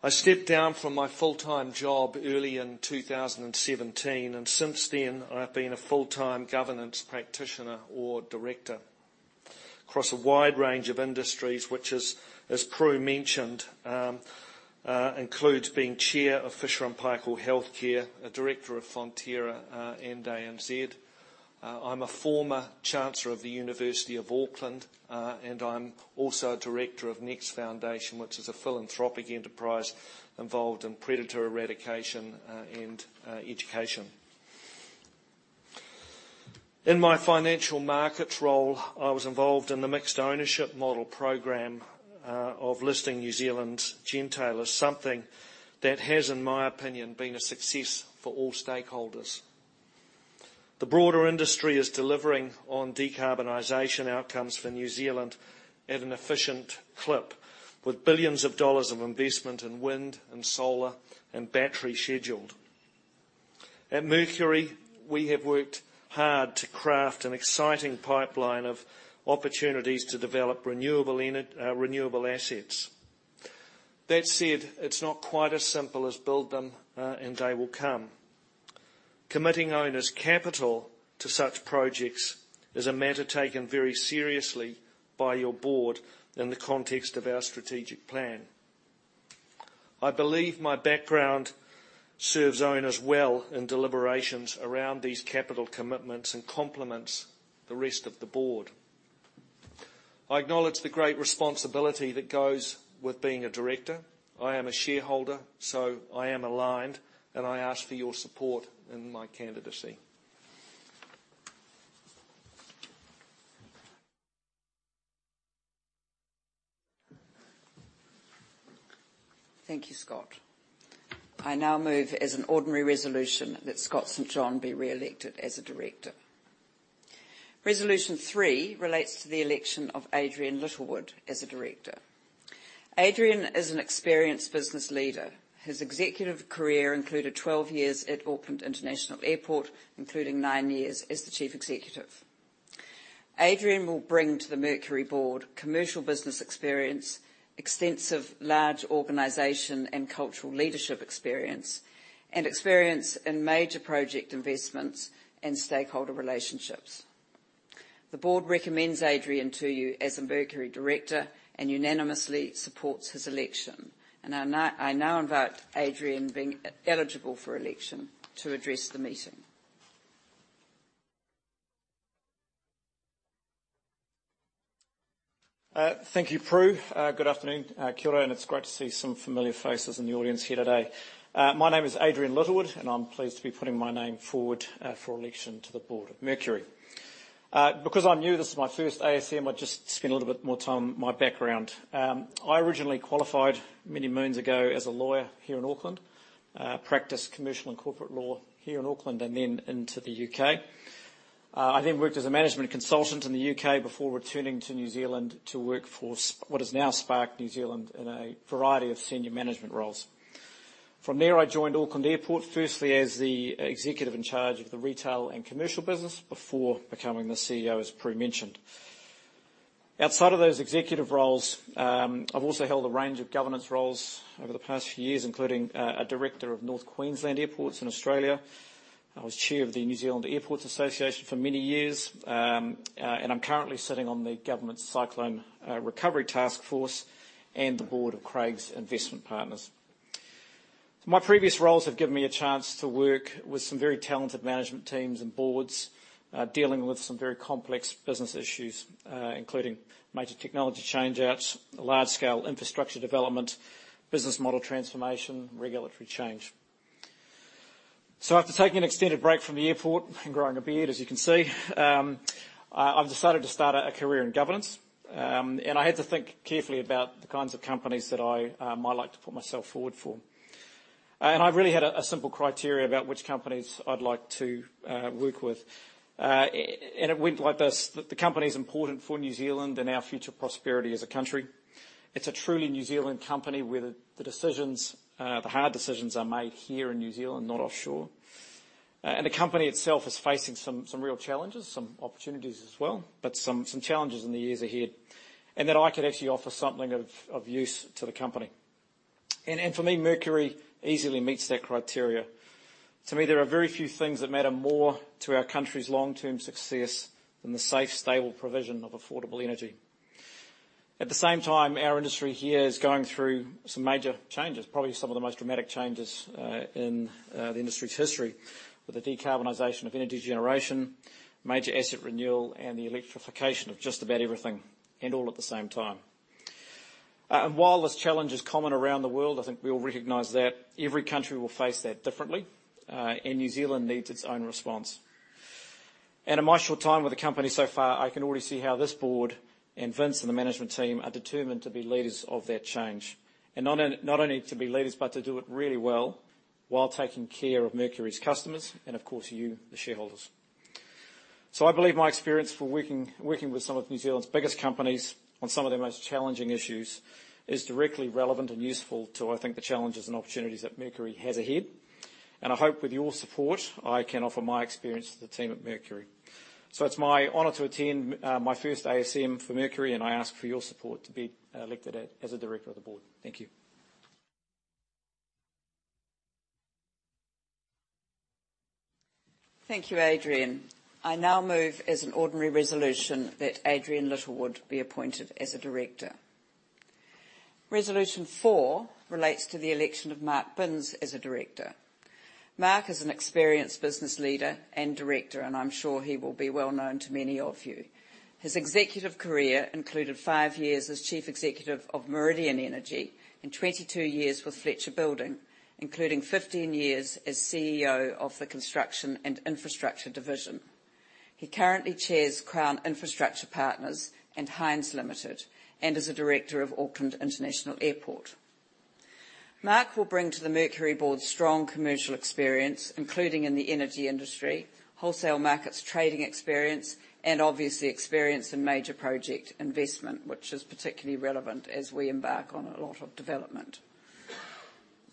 I stepped down from my full-time job early in 2017, and since then I've been a full-time governance practitioner or director across a wide range of industries, which is, as Prue mentioned, includes being Chair of Fisher & Paykel Healthcare, a Director of Fonterra, and ANZ. I'm a former Chancellor of the University of Auckland, and I'm also a Director of NEXT Foundation, which is a philanthropic enterprise involved in predator eradication, and education. In my financial markets role, I was involved in the mixed ownership model program of listing New Zealand's Genesis, something that has, in my opinion, been a success for all stakeholders. The broader industry is delivering on decarbonization outcomes for New Zealand at an efficient clip, with billions of NZD of investment in wind and solar and battery scheduled. At Mercury, we have worked hard to craft an exciting pipeline of opportunities to develop renewable assets. That said, it's not quite as simple as build them, and they will come. Committing owners' capital to such projects is a matter taken very seriously by your board in the context of our strategic plan. I believe my background serves owners well in deliberations around these capital commitments, and complements the rest of the board. I acknowledge the great responsibility that goes with being a director. I am a shareholder, so I am aligned, and I ask for your support in my candidacy. Thank you, Scott. I now move as an ordinary resolution that Scott St. John be re-elected as a director. Resolution 3 relates to the election of Adrian Littlewood as a director. Adrian is an experienced business leader. His executive career included 12 years at Auckland International Airport, including 9 years as the Chief Executive. Adrian will bring to the Mercury board commercial business experience, extensive large organization and cultural leadership experience, and experience in major project investments and stakeholder relationships. The board recommends Adrian to you as a Mercury director, and unanimously supports his election, and I now invite Adrian, being eligible for election, to address the meeting. Thank you, Prue. Good afternoon, Kia, and it's great to see some familiar faces in the audience here today. My name is Adrian Littlewood, and I'm pleased to be putting my name forward for election to the Board of Mercury. Because I'm new, this is my first ASM, I'll just spend a little bit more time on my background. I originally qualified many moons ago as a lawyer here in Auckland. Practiced commercial and corporate law here in Auckland and then into the UK. I then worked as a management consultant in the UK before returning to New Zealand to work for Sp- what is now Spark New Zealand, in a variety of senior management roles. From there, I joined Auckland Airport, firstly, as the executive in charge of the retail and commercial business before becoming the CEO, as Prue mentioned. Outside of those executive roles, I've also held a range of governance roles over the past few years, including a director of North Queensland Airports in Australia. I was chair of the New Zealand Airports Association for many years, and I'm currently sitting on the Government Cyclone Recovery Taskforce, and the board of Craigs Investment Partners. My previous roles have given me a chance to work with some very talented management teams and boards, dealing with some very complex business issues, including major technology change-outs, large-scale infrastructure development, business model transformation, regulatory change. So after taking an extended break from the airport and growing a beard, as you can see, I've decided to start a career in governance. I had to think carefully about the kinds of companies that I might like to put myself forward for. I've really had a simple criteria about which companies I'd like to work with. It went like this: that the company is important for New Zealand and our future prosperity as a country. It's a truly New Zealand company, where the decisions, the hard decisions are made here in New Zealand, not offshore. The company itself is facing some real challenges, some opportunities as well, but some challenges in the years ahead, and that I could actually offer something of use to the company. For me, Mercury easily meets that criteria. To me, there are very few things that matter more to our country's long-term success than the safe, stable provision of affordable energy. At the same time, our industry here is going through some major changes, probably some of the most dramatic changes in the industry's history, with the decarbonization of energy generation, major asset renewal, and the electrification of just about everything, and all at the same time. And while this challenge is common around the world, I think we all recognize that every country will face that differently, and New Zealand needs its own response. And in my short time with the company so far, I can already see how this board, and Vince and the management team, are determined to be leaders of that change. And not only, not only to be leaders, but to do it really well, while taking care of Mercury's customers and, of course, you, the shareholders. So I believe my experience for working with some of New Zealand's biggest companies on some of their most challenging issues is directly relevant and useful to, I think, the challenges and opportunities that Mercury has ahead. And I hope with your support, I can offer my experience to the team at Mercury. So it's my honor to attend my first ASM for Mercury, and I ask for your support to be elected as a director of the board. Thank you. Thank you, Adrian. I now move as an ordinary resolution that Adrian Littlewood be appointed as a director. Resolution four relates to the election of Mark Binns as a director. Mark is an experienced business leader and director, and I'm sure he will be well known to many of you. His executive career included 5 years as chief executive of Meridian Energy and 22 years with Fletcher Building, including 15 years as CEO of the Construction and Infrastructure Division. He currently chairs Crown Infrastructure Partners and Hynds Limited, and is a director of Auckland International Airport. Mark will bring to the Mercury board strong commercial experience, including in the energy industry, wholesale markets trading experience, and obviously, experience in major project investment, which is particularly relevant as we embark on a lot of development.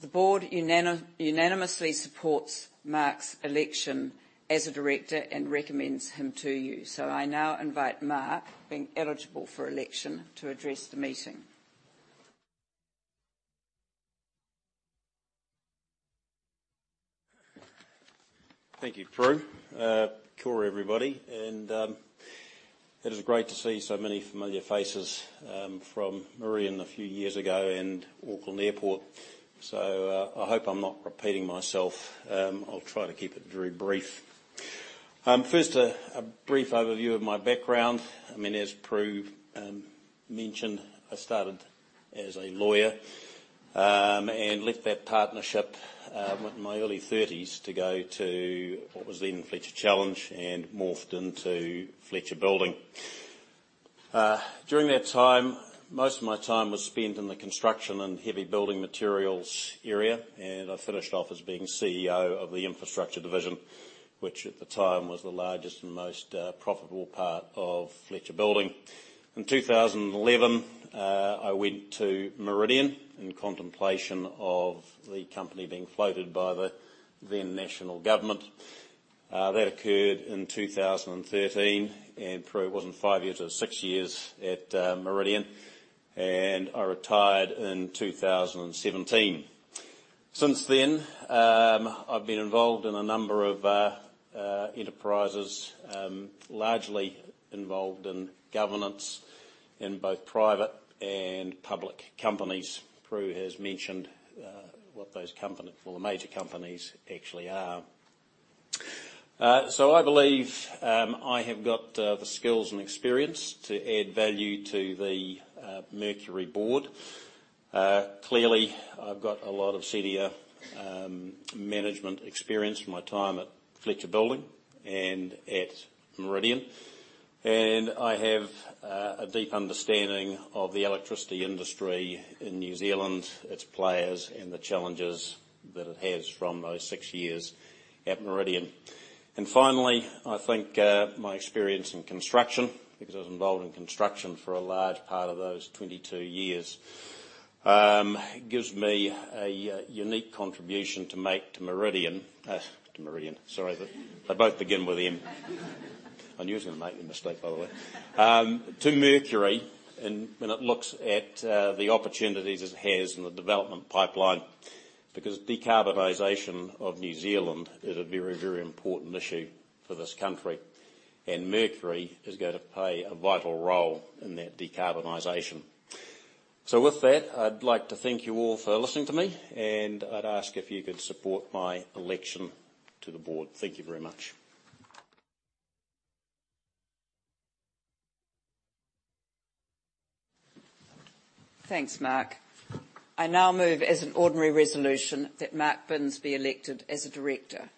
The board unanimously supports Mark's election as a director and recommends him to you. I now invite Mark, being eligible for election, to address the meeting. Thank you, Prue. Kia ora, everybody, and it is great to see so many familiar faces from Meridian a few years ago and Auckland Airport. So, I hope I'm not repeating myself. I'll try to keep it very brief. First, a brief overview of my background. I mean, as Prue mentioned, I started as a lawyer, and left that partnership in my early thirties to go to what was then Fletcher Challenge, and morphed into Fletcher Building. During that time, most of my time was spent in the construction and heavy building materials area, and I finished off as being CEO of the infrastructure division, which at the time was the largest and most profitable part of Fletcher Building. In 2011, I went to Meridian in contemplation of the company being floated by the then National Government. That occurred in 2013, and Prue, it wasn't five years, it was six years at Meridian, and I retired in 2017. Since then, I've been involved in a number of enterprises, largely involved in governance in both private and public companies. Prue has mentioned what those company—or the major companies actually are. I believe I have got the skills and experience to add value to the Mercury board. Clearly, I've got a lot of senior management experience from my time at Fletcher Building and at Meridian. And I have a deep understanding of the electricity industry in New Zealand, its players, and the challenges that it has from those six years at Meridian. And finally, I think my experience in construction, because I was involved in construction for a large part of those 22 years, gives me a unique contribution to make to Meridian—to Meridian, sorry, they both begin with M. I knew I was going to make the mistake, by the way. To Mercury, and when it looks at the opportunities it has in the development pipeline, because decarbonization of New Zealand is a very, very important issue for this country, and Mercury is going to play a vital role in that decarbonization. With that, I'd like to thank you all for listening to me, and I'd ask if you could support my election to the board. Thank you very much. Thanks, Mark. I now move as an ordinary resolution that Mark Binns be elected as a director.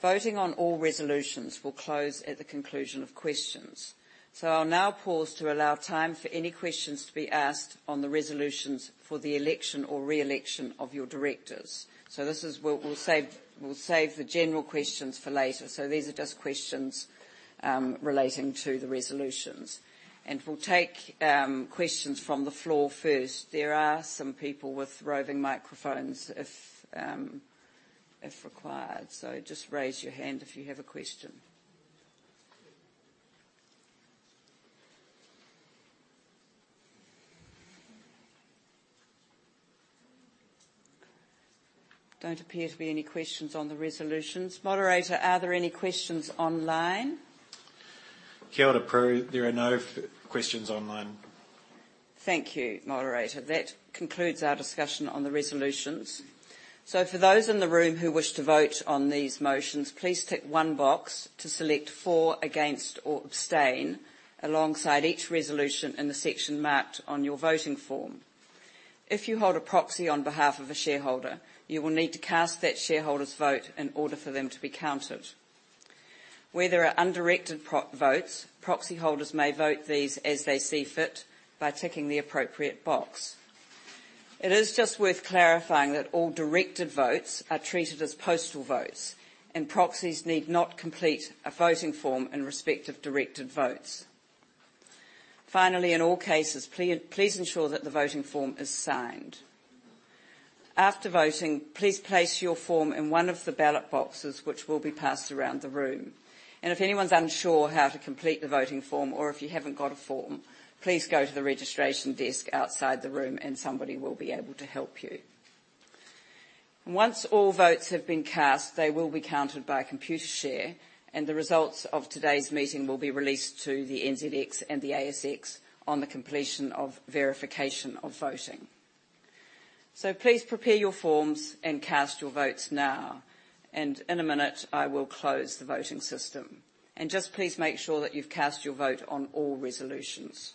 Voting on all resolutions will close at the conclusion of questions, so I'll now pause to allow time for any questions to be asked on the resolutions for the election or re-election of your directors. So this is. We'll save the general questions for later. So these are just questions relating to the resolutions, and we'll take questions from the floor first. There are some people with roving microphones, if required, so just raise your hand if you have a question. There don't appear to be any questions on the resolutions. Moderator, are there any questions online? Kia ora, Prue. There are no questions online. Thank you, moderator. That concludes our discussion on the resolutions. So for those in the room who wish to vote on these motions, please tick one box to select For, Against, or Abstain alongside each resolution in the section marked on your voting form. If you hold a proxy on behalf of a shareholder, you will need to cast that shareholder's vote in order for them to be counted. Where there are undirected proxy votes, proxy holders may vote these as they see fit by ticking the appropriate box. It is just worth clarifying that all directed votes are treated as postal votes, and proxies need not complete a voting form in respect of directed votes. Finally, in all cases, please ensure that the voting form is signed. After voting, please place your form in one of the ballot boxes, which will be passed around the room. If anyone's unsure how to complete the voting form, or if you haven't got a form, please go to the registration desk outside the room, and somebody will be able to help you. Once all votes have been cast, they will be counted by Computershare, and the results of today's meeting will be released to the NZX and the ASX on the completion of verification of voting. Please prepare your forms and cast your votes now, and in a minute, I will close the voting system. Just please make sure that you've cast your vote on all resolutions.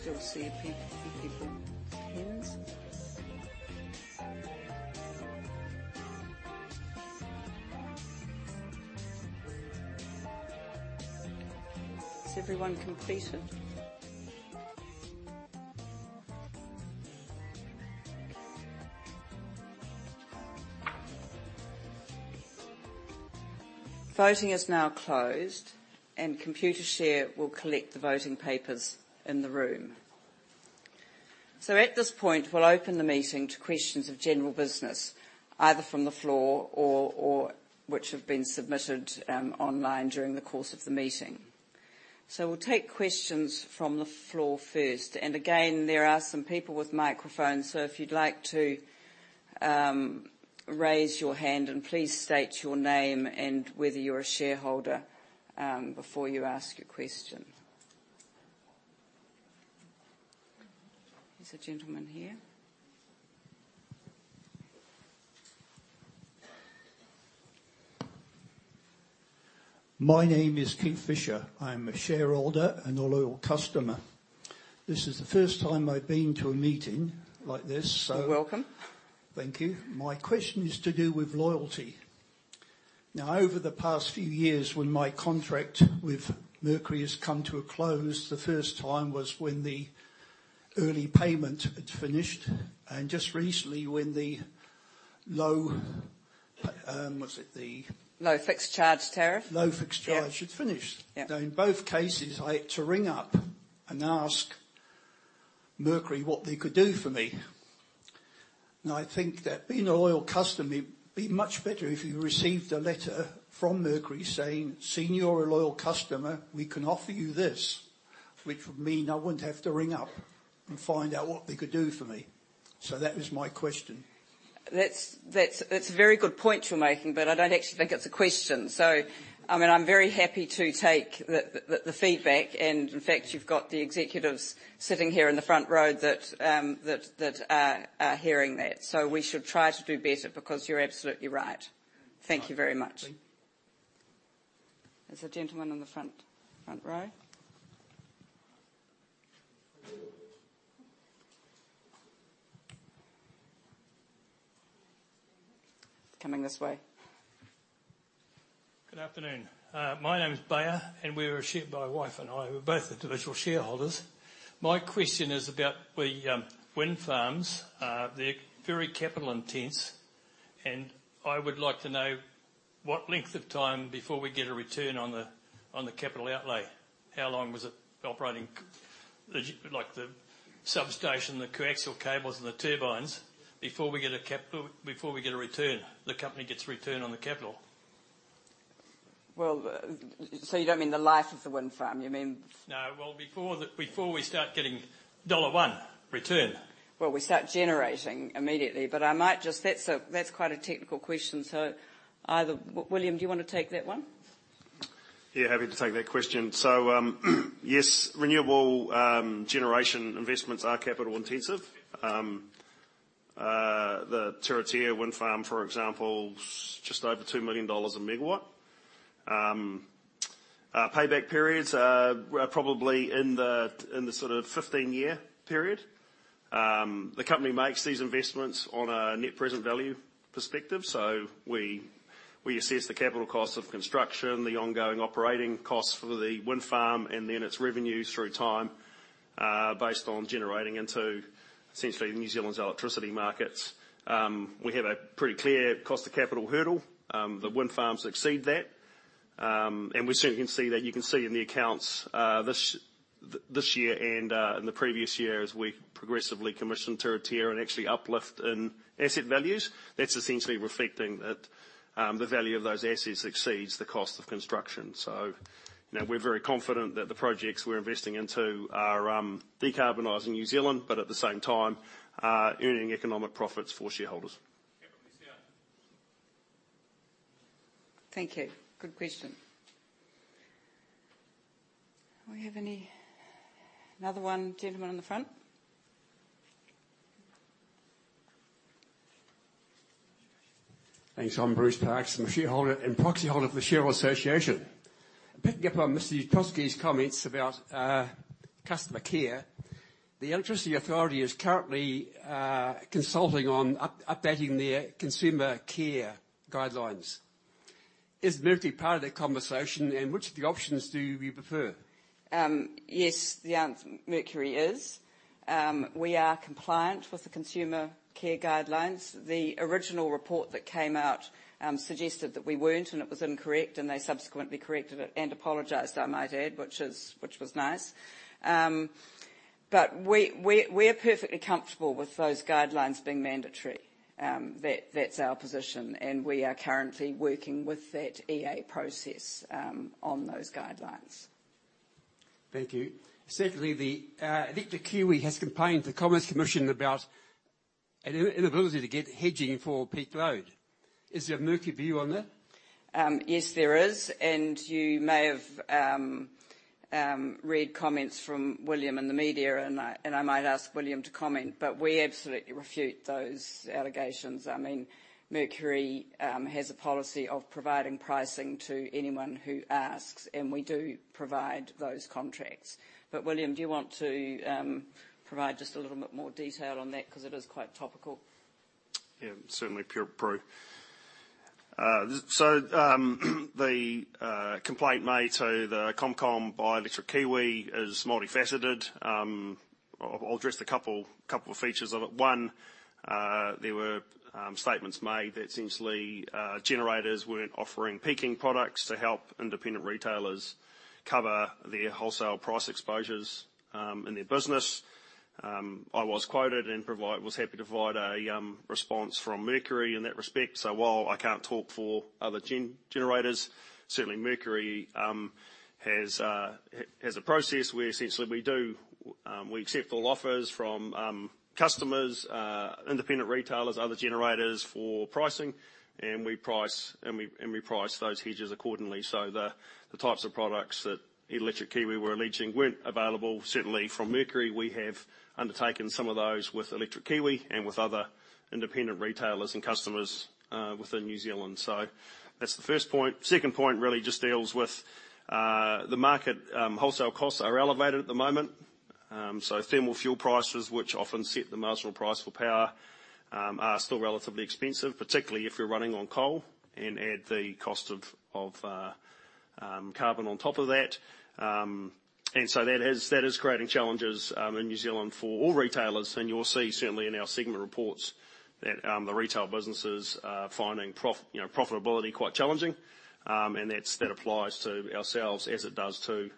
Still see a few people with pens. Has everyone completed? Voting is now closed, and Computershare will collect the voting papers in the room. So at this point, we'll open the meeting to questions of general business, either from the floor or which have been submitted online during the course of the meeting. So we'll take questions from the floor first. And again, there are some people with microphones, so if you'd like to raise your hand, and please state your name and whether you're a shareholder before you ask your question. There's a gentleman here. My name is Keith Fisher. I'm a shareholder and a loyal customer. This is the first time I've been to a meeting like this, so- You're welcome. Thank you. My question is to do with loyalty. Now, over the past few years, when my contract with Mercury has come to a close, the first time was when the early payment had finished, and just recently when the low. What's it? The- Low Fixed Charge tariff? Low Fixed Charge- Yeah. -had finished. Yeah. Now, in both cases, I had to ring up and ask Mercury what they could do for me. Now, I think that being a loyal customer, it'd be much better if you received a letter from Mercury saying, "Seeing you're a loyal customer, we can offer you this," which would mean I wouldn't have to ring up and find out what they could do for me. So that was my question. That's a very good point you're making, but I don't actually think it's a question. So, I mean, I'm very happy to take the feedback, and in fact, you've got the executives sitting here in the front row that are hearing that. So we should try to do better because you're absolutely right. Thank you very much. Thank you. There's a gentleman in the front, front row. Coming this way. Good afternoon. My wife and I, we're both individual shareholders. My question is about the wind farms. They're very capital intensive, and I would like to know what length of time before we get a return on the capital outlay. How long was it operating? Like, the substation, the coaxial cables, and the turbines before we get a return, the company gets a return on the capital? Well, so you don't mean the life of the wind farm, you mean? No. Well, before we start getting dollar 1 return. Well, we start generating immediately, but I might just-- That's a, that's quite a technical question, so either. William, do you want to take that one? Yeah, happy to take that question. So, yes, renewable generation investments are capital intensive. The Turitea Wind Farm, for example, is just over 2 million dollars a megawatt. Payback periods are probably in the sort of 15-year period. The company makes these investments on a net present value perspective, so we assess the capital cost of construction, the ongoing operating costs for the wind farm, and then its revenues through time, based on generating into, essentially, New Zealand's electricity markets. We have a pretty clear cost of capital hurdle. The wind farms exceed that. And we certainly can see that. You can see in the accounts, this year and in the previous year, as we progressively commissioned Turitea and actually uplift in asset values. That's essentially reflecting that, the value of those assets exceeds the cost of construction. So now we're very confident that the projects we're investing into are, decarbonizing New Zealand, but at the same time, earning economic profits for shareholders. Yeah, but we see that. Thank you. Good question. Do we have any. Another one, gentleman in the front? Thanks. I'm Bruce Parkes, I'm a shareholder and proxy holder for the Shareholder Association. Picking up on Mr. Neustroski's comments about customer care, the Electricity Authority is currently consulting on updating their consumer care guidelines. Is Mercury part of that conversation, and which of the options do you prefer? Yes, the answer is Mercury is. We are compliant with the consumer care guidelines. The original report that came out suggested that we weren't, and it was incorrect, and they subsequently corrected it and apologized, I might add, which is, which was nice. We are perfectly comfortable with those guidelines being mandatory. That's our position, and we are currently working with that EA process on those guidelines. Thank you. Secondly, the Electric Kiwi has complained to the Commerce Commission about an inability to get hedging for peak load. Is there a Mercury view on that? Yes, there is, and you may have read comments from William in the media, and I might ask William to comment, but we absolutely refute those allegations. I mean, Mercury has a policy of providing pricing to anyone who asks, and we do provide those contracts. But William, do you want to provide just a little bit more detail on that? Because it is quite topical. Yeah, certainly, Prue, Prue. So, the complaint made to the ComCom by Electric Kiwi is multifaceted. I'll address a couple of features of it. One, there were statements made that essentially generators weren't offering peaking products to help independent retailers cover their wholesale price exposures in their business. I was quoted and was happy to provide a response from Mercury in that respect. So while I can't talk for other generators, certainly Mercury has a process where essentially we do we accept all offers from customers, independent retailers, other generators, for pricing, and we price, and we price those hedges accordingly. So the types of products that Electric Kiwi were alleging weren't available, certainly from Mercury. We have undertaken some of those with Electric Kiwi and with other independent retailers and customers within New Zealand. So that's the first point. Second point really just deals with the market, wholesale costs are elevated at the moment. So thermal fuel prices, which often set the marginal price for power, are still relatively expensive, particularly if you're running on coal, and add the cost of carbon on top of that. And so that is creating challenges in New Zealand for all retailers. And you'll see certainly in our segment reports that the retail businesses are finding profitability you know quite challenging. And that's that applies to ourselves as it does to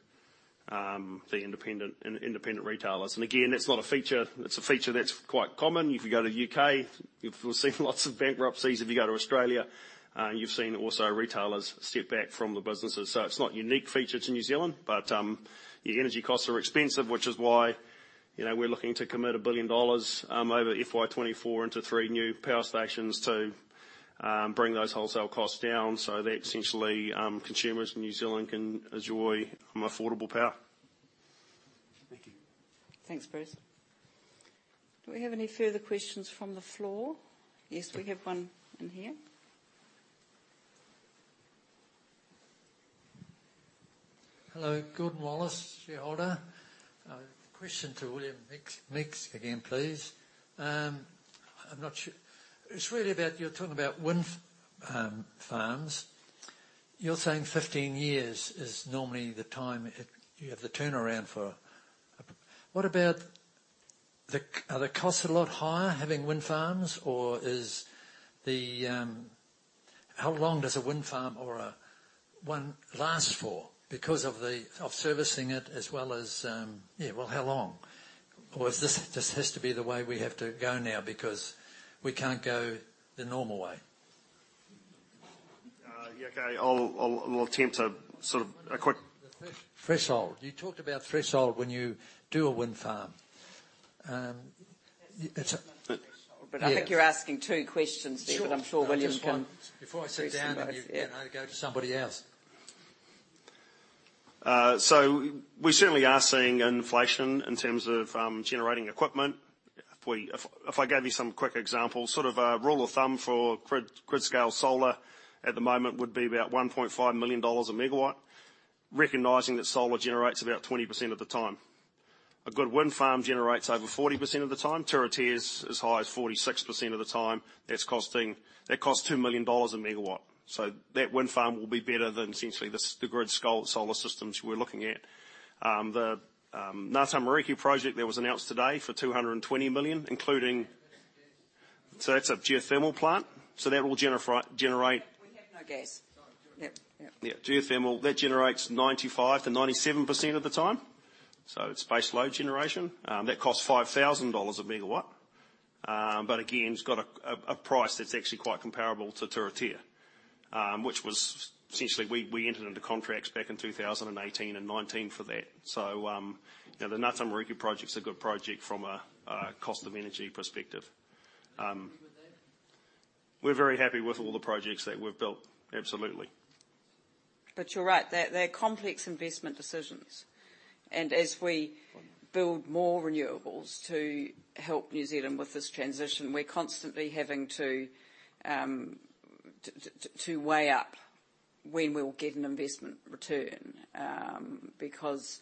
the independent independent retailers. And again, that's not a feature, it's a feature that's quite common. If you go to the UK, you've seen lots of bankruptcies. If you go to Australia, you've seen also retailers step back from the businesses. So it's not a unique feature to New Zealand, but, the energy costs are expensive, which is why, you know, we're looking to commit 1 billion dollars over FY 2024 into 3 new power stations to, bring those wholesale costs down. So that essentially, consumers in New Zealand can enjoy, affordable power. Thank you. Thanks, Bruce. Do we have any further questions from the floor? Yes, we have one in here. Hello, Gordon Wallace, shareholder. Question to William Meek, Meek again, please. I'm not sure. It's really about, you're talking about wind farms. You're saying 15 years is normally the time it, you have the turnaround for. What about the, are the costs a lot higher, having wind farms, or is the. How long does a wind farm or a one last for? Because of the, of servicing it as well as, yeah, well, how long? or is this, this has to be the way we have to go now because we can't go the normal way? Yeah, okay. I'll attempt to sort of a quick- Threshold. You talked about threshold when you do a wind farm. It's a- Threshold. Yeah. But I think you're asking two questions, Steve- Sure but I'm sure William can- Before I sit down, then you, you know, go to somebody else. We certainly are seeing inflation in terms of generating equipment. If I gave you some quick examples, sort of a rule of thumb for grid-scale solar at the moment would be about 1.5 million dollars a megawatt, recognizing that solar generates about 20% of the time. A good wind farm generates over 40% of the time. Turitea is as high as 46% of the time. That costs 2 million dollars a megawatt. So that wind farm will be better than essentially the grid-scale solar systems we're looking at. The Ngatamariki project that was announced today for 220 million, including. So that's a geothermal plant, so that will generate— We have no gas. No, geothermal. Yep, yep. Yeah, geothermal. That generates 95%-97% of the time, so it's base load generation. That costs 5,000 dollars a megawatt. But again, it's got a price that's actually quite comparable to Turitea, which was essentially, we entered into contracts back in 2018 and 2019 for that. So, you know, the Ngatamariki project is a good project from a cost of energy perspective. Happy with that? We're very happy with all the projects that we've built, absolutely. But you're right, they're complex investment decisions. And as we build more renewables to help New Zealand with this transition, we're constantly having to to weigh up when we'll get an investment return. Because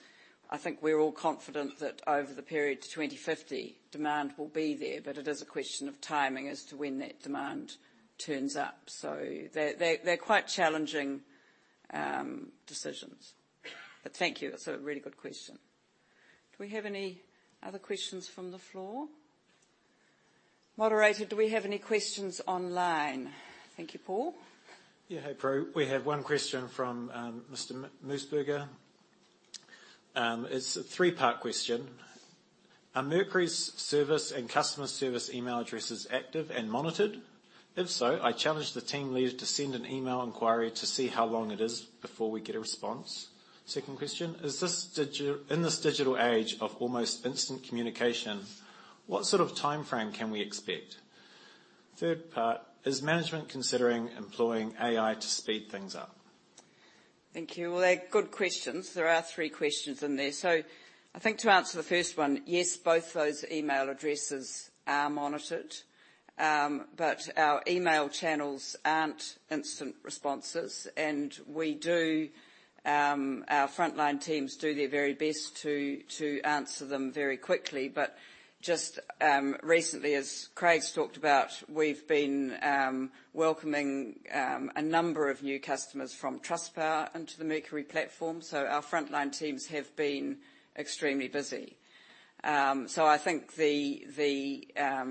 I think we're all confident that over the period to 2050, demand will be there, but it is a question of timing as to when that demand turns up. So they're quite challenging decisions. But thank you. That's a really good question. Do we have any other questions from the floor? Moderator, do we have any questions online? Thank you, Paul. Yeah. Hey, Prue. We have one question from Mr. Moosburger. It's a three-part question: Are Mercury's service and customer service email addresses active and monitored? If so, I challenge the team leader to send an email inquiry to see how long it is before we get a response. Second question: In this digital age of almost instant communication, what sort of timeframe can we expect? Third part: Is management considering employing AI to speed things up? Thank you. Well, they're good questions. There are three questions in there. So I think to answer the first one, yes, both those email addresses are monitored. But our email channels aren't instant responses, and we do. Our frontline teams do their very best to answer them very quickly. But just recently, as Craig's talked about, we've been welcoming a number of new customers from Trustpower into the Mercury platform, so our frontline teams have been extremely busy. So I think the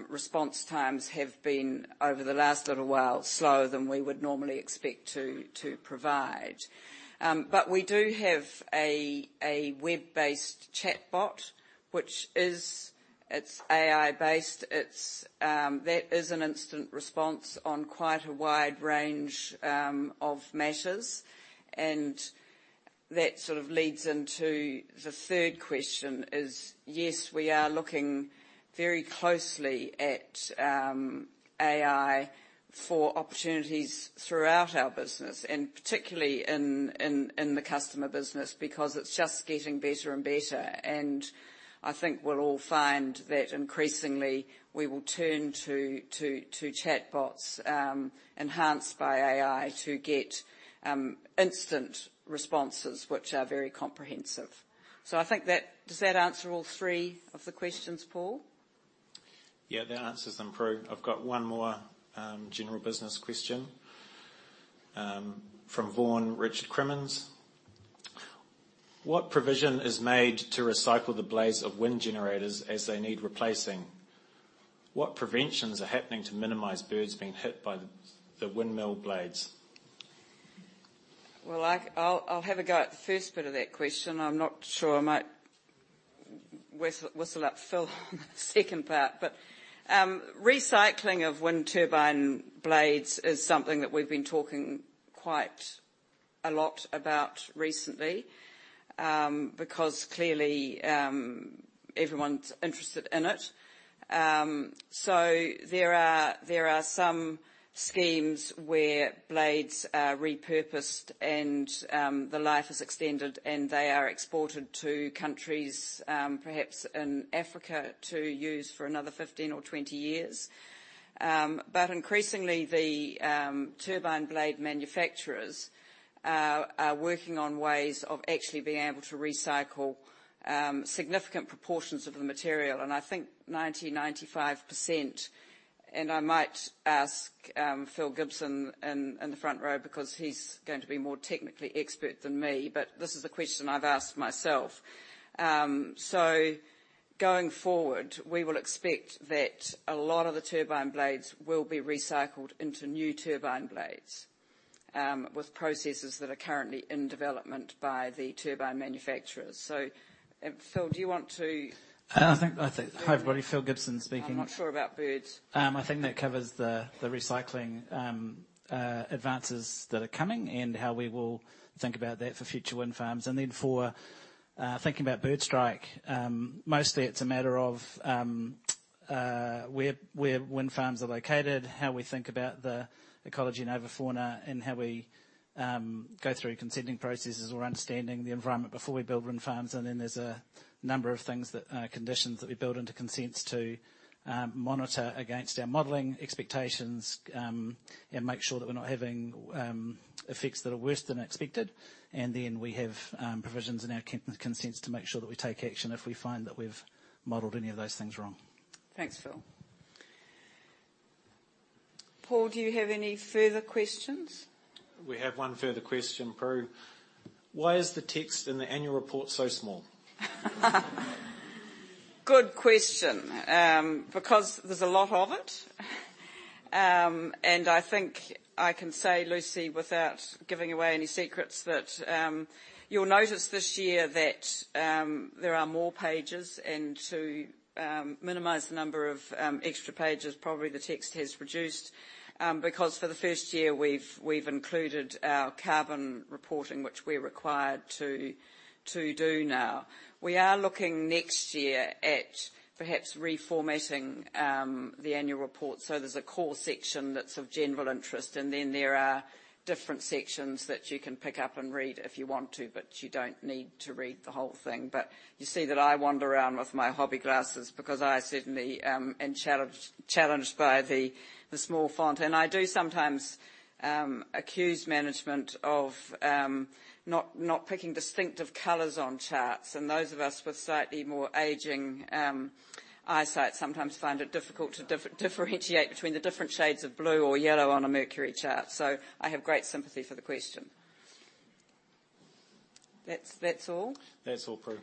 response times have been, over the last little while, slower than we would normally expect to provide. But we do have a web-based chatbot, which is, it's AI-based. It's that is an instant response on quite a wide range of matters. And that sort of leads into the third question. Yes, we are looking very closely at AI for opportunities throughout our business, and particularly in the customer business, because it's just getting better and better. And I think we'll all find that increasingly we will turn to chatbots enhanced by AI to get instant responses which are very comprehensive. So I think that. Does that answer all three of the questions, Paul? Yeah, that answers them, Prue. I've got one more, general business question, from Vaughan Richard Crimmins. What provision is made to recycle the blades of wind generators as they need replacing? What preventions are happening to minimize birds being hit by the windmill blades? Well, I'll have a go at the first bit of that question. I'm not sure I might whistle up Phil on the second part, but recycling of wind turbine blades is something that we've been talking quite a lot about recently, because clearly, everyone's interested in it. So there are some schemes where blades are repurposed and the life is extended, and they are exported to countries, perhaps in Africa, to use for another 15 or 20 years. But increasingly, the turbine blade manufacturers are working on ways of actually being able to recycle significant proportions of the material, and I think 90-95%. And I might ask, Phil Gibson in the front row, because he's going to be more technically expert than me, but this is a question I've asked myself. So going forward, we will expect that a lot of the turbine blades will be recycled into new turbine blades with processes that are currently in development by the turbine manufacturers. So, Phil, do you want to- Hi, everybody, Phil Gibson speaking. I'm not sure about birds. I think that covers the recycling advances that are coming and how we will think about that for future wind farms. And then for thinking about bird strike, mostly it's a matter of where wind farms are located, how we think about the ecology and avifauna, and how we go through consenting processes or understanding the environment before we build wind farms. And then there's a number of conditions that we build into consents to monitor against our modeling expectations and make sure that we're not having effects that are worse than expected. And then we have provisions in our consents to make sure that we take action if we find that we've modeled any of those things wrong. Thanks, Phil. Paul, do you have any further questions? We have one further question, Pru. Why is the text in the annual report so small? Good question. Because there's a lot of it. And I think I can say, Lucy, without giving away any secrets, that you'll notice this year that there are more pages, and to minimize the number of extra pages, probably the text has reduced. Because for the first year, we've included our carbon reporting, which we're required to do now. We are looking next year at perhaps reformatting the annual report so there's a core section that's of general interest, and then there are different sections that you can pick up and read if you want to, but you don't need to read the whole thing. But you see that I wander around with my hobby glasses because I certainly am challenged by the small font. I do sometimes accuse management of not picking distinctive colors on charts. Those of us with slightly more aging eyesight sometimes find it difficult to differentiate between the different shades of blue or yellow on a Mercury chart. I have great sympathy for the question. That's all? That's all, Pru.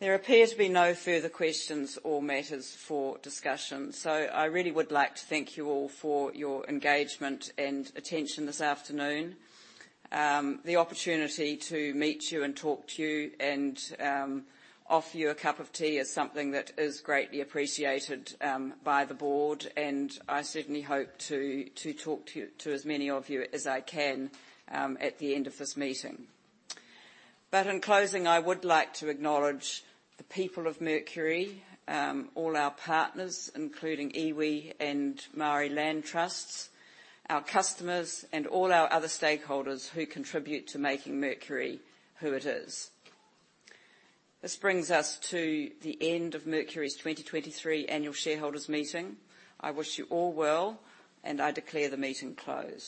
There appear to be no further questions or matters for discussion. So I really would like to thank you all for your engagement and attention this afternoon. The opportunity to meet you and talk to you and, offer you a cup of tea is something that is greatly appreciated, by the board, and I certainly hope to, to talk to, to as many of you as I can, at the end of this meeting. But in closing, I would like to acknowledge the people of Mercury, all our partners, including iwi and Māori land trusts, our customers, and all our other stakeholders who contribute to making Mercury who it is. This brings us to the end of Mercury's 2023 annual shareholders meeting. I wish you all well, and I declare the meeting closed.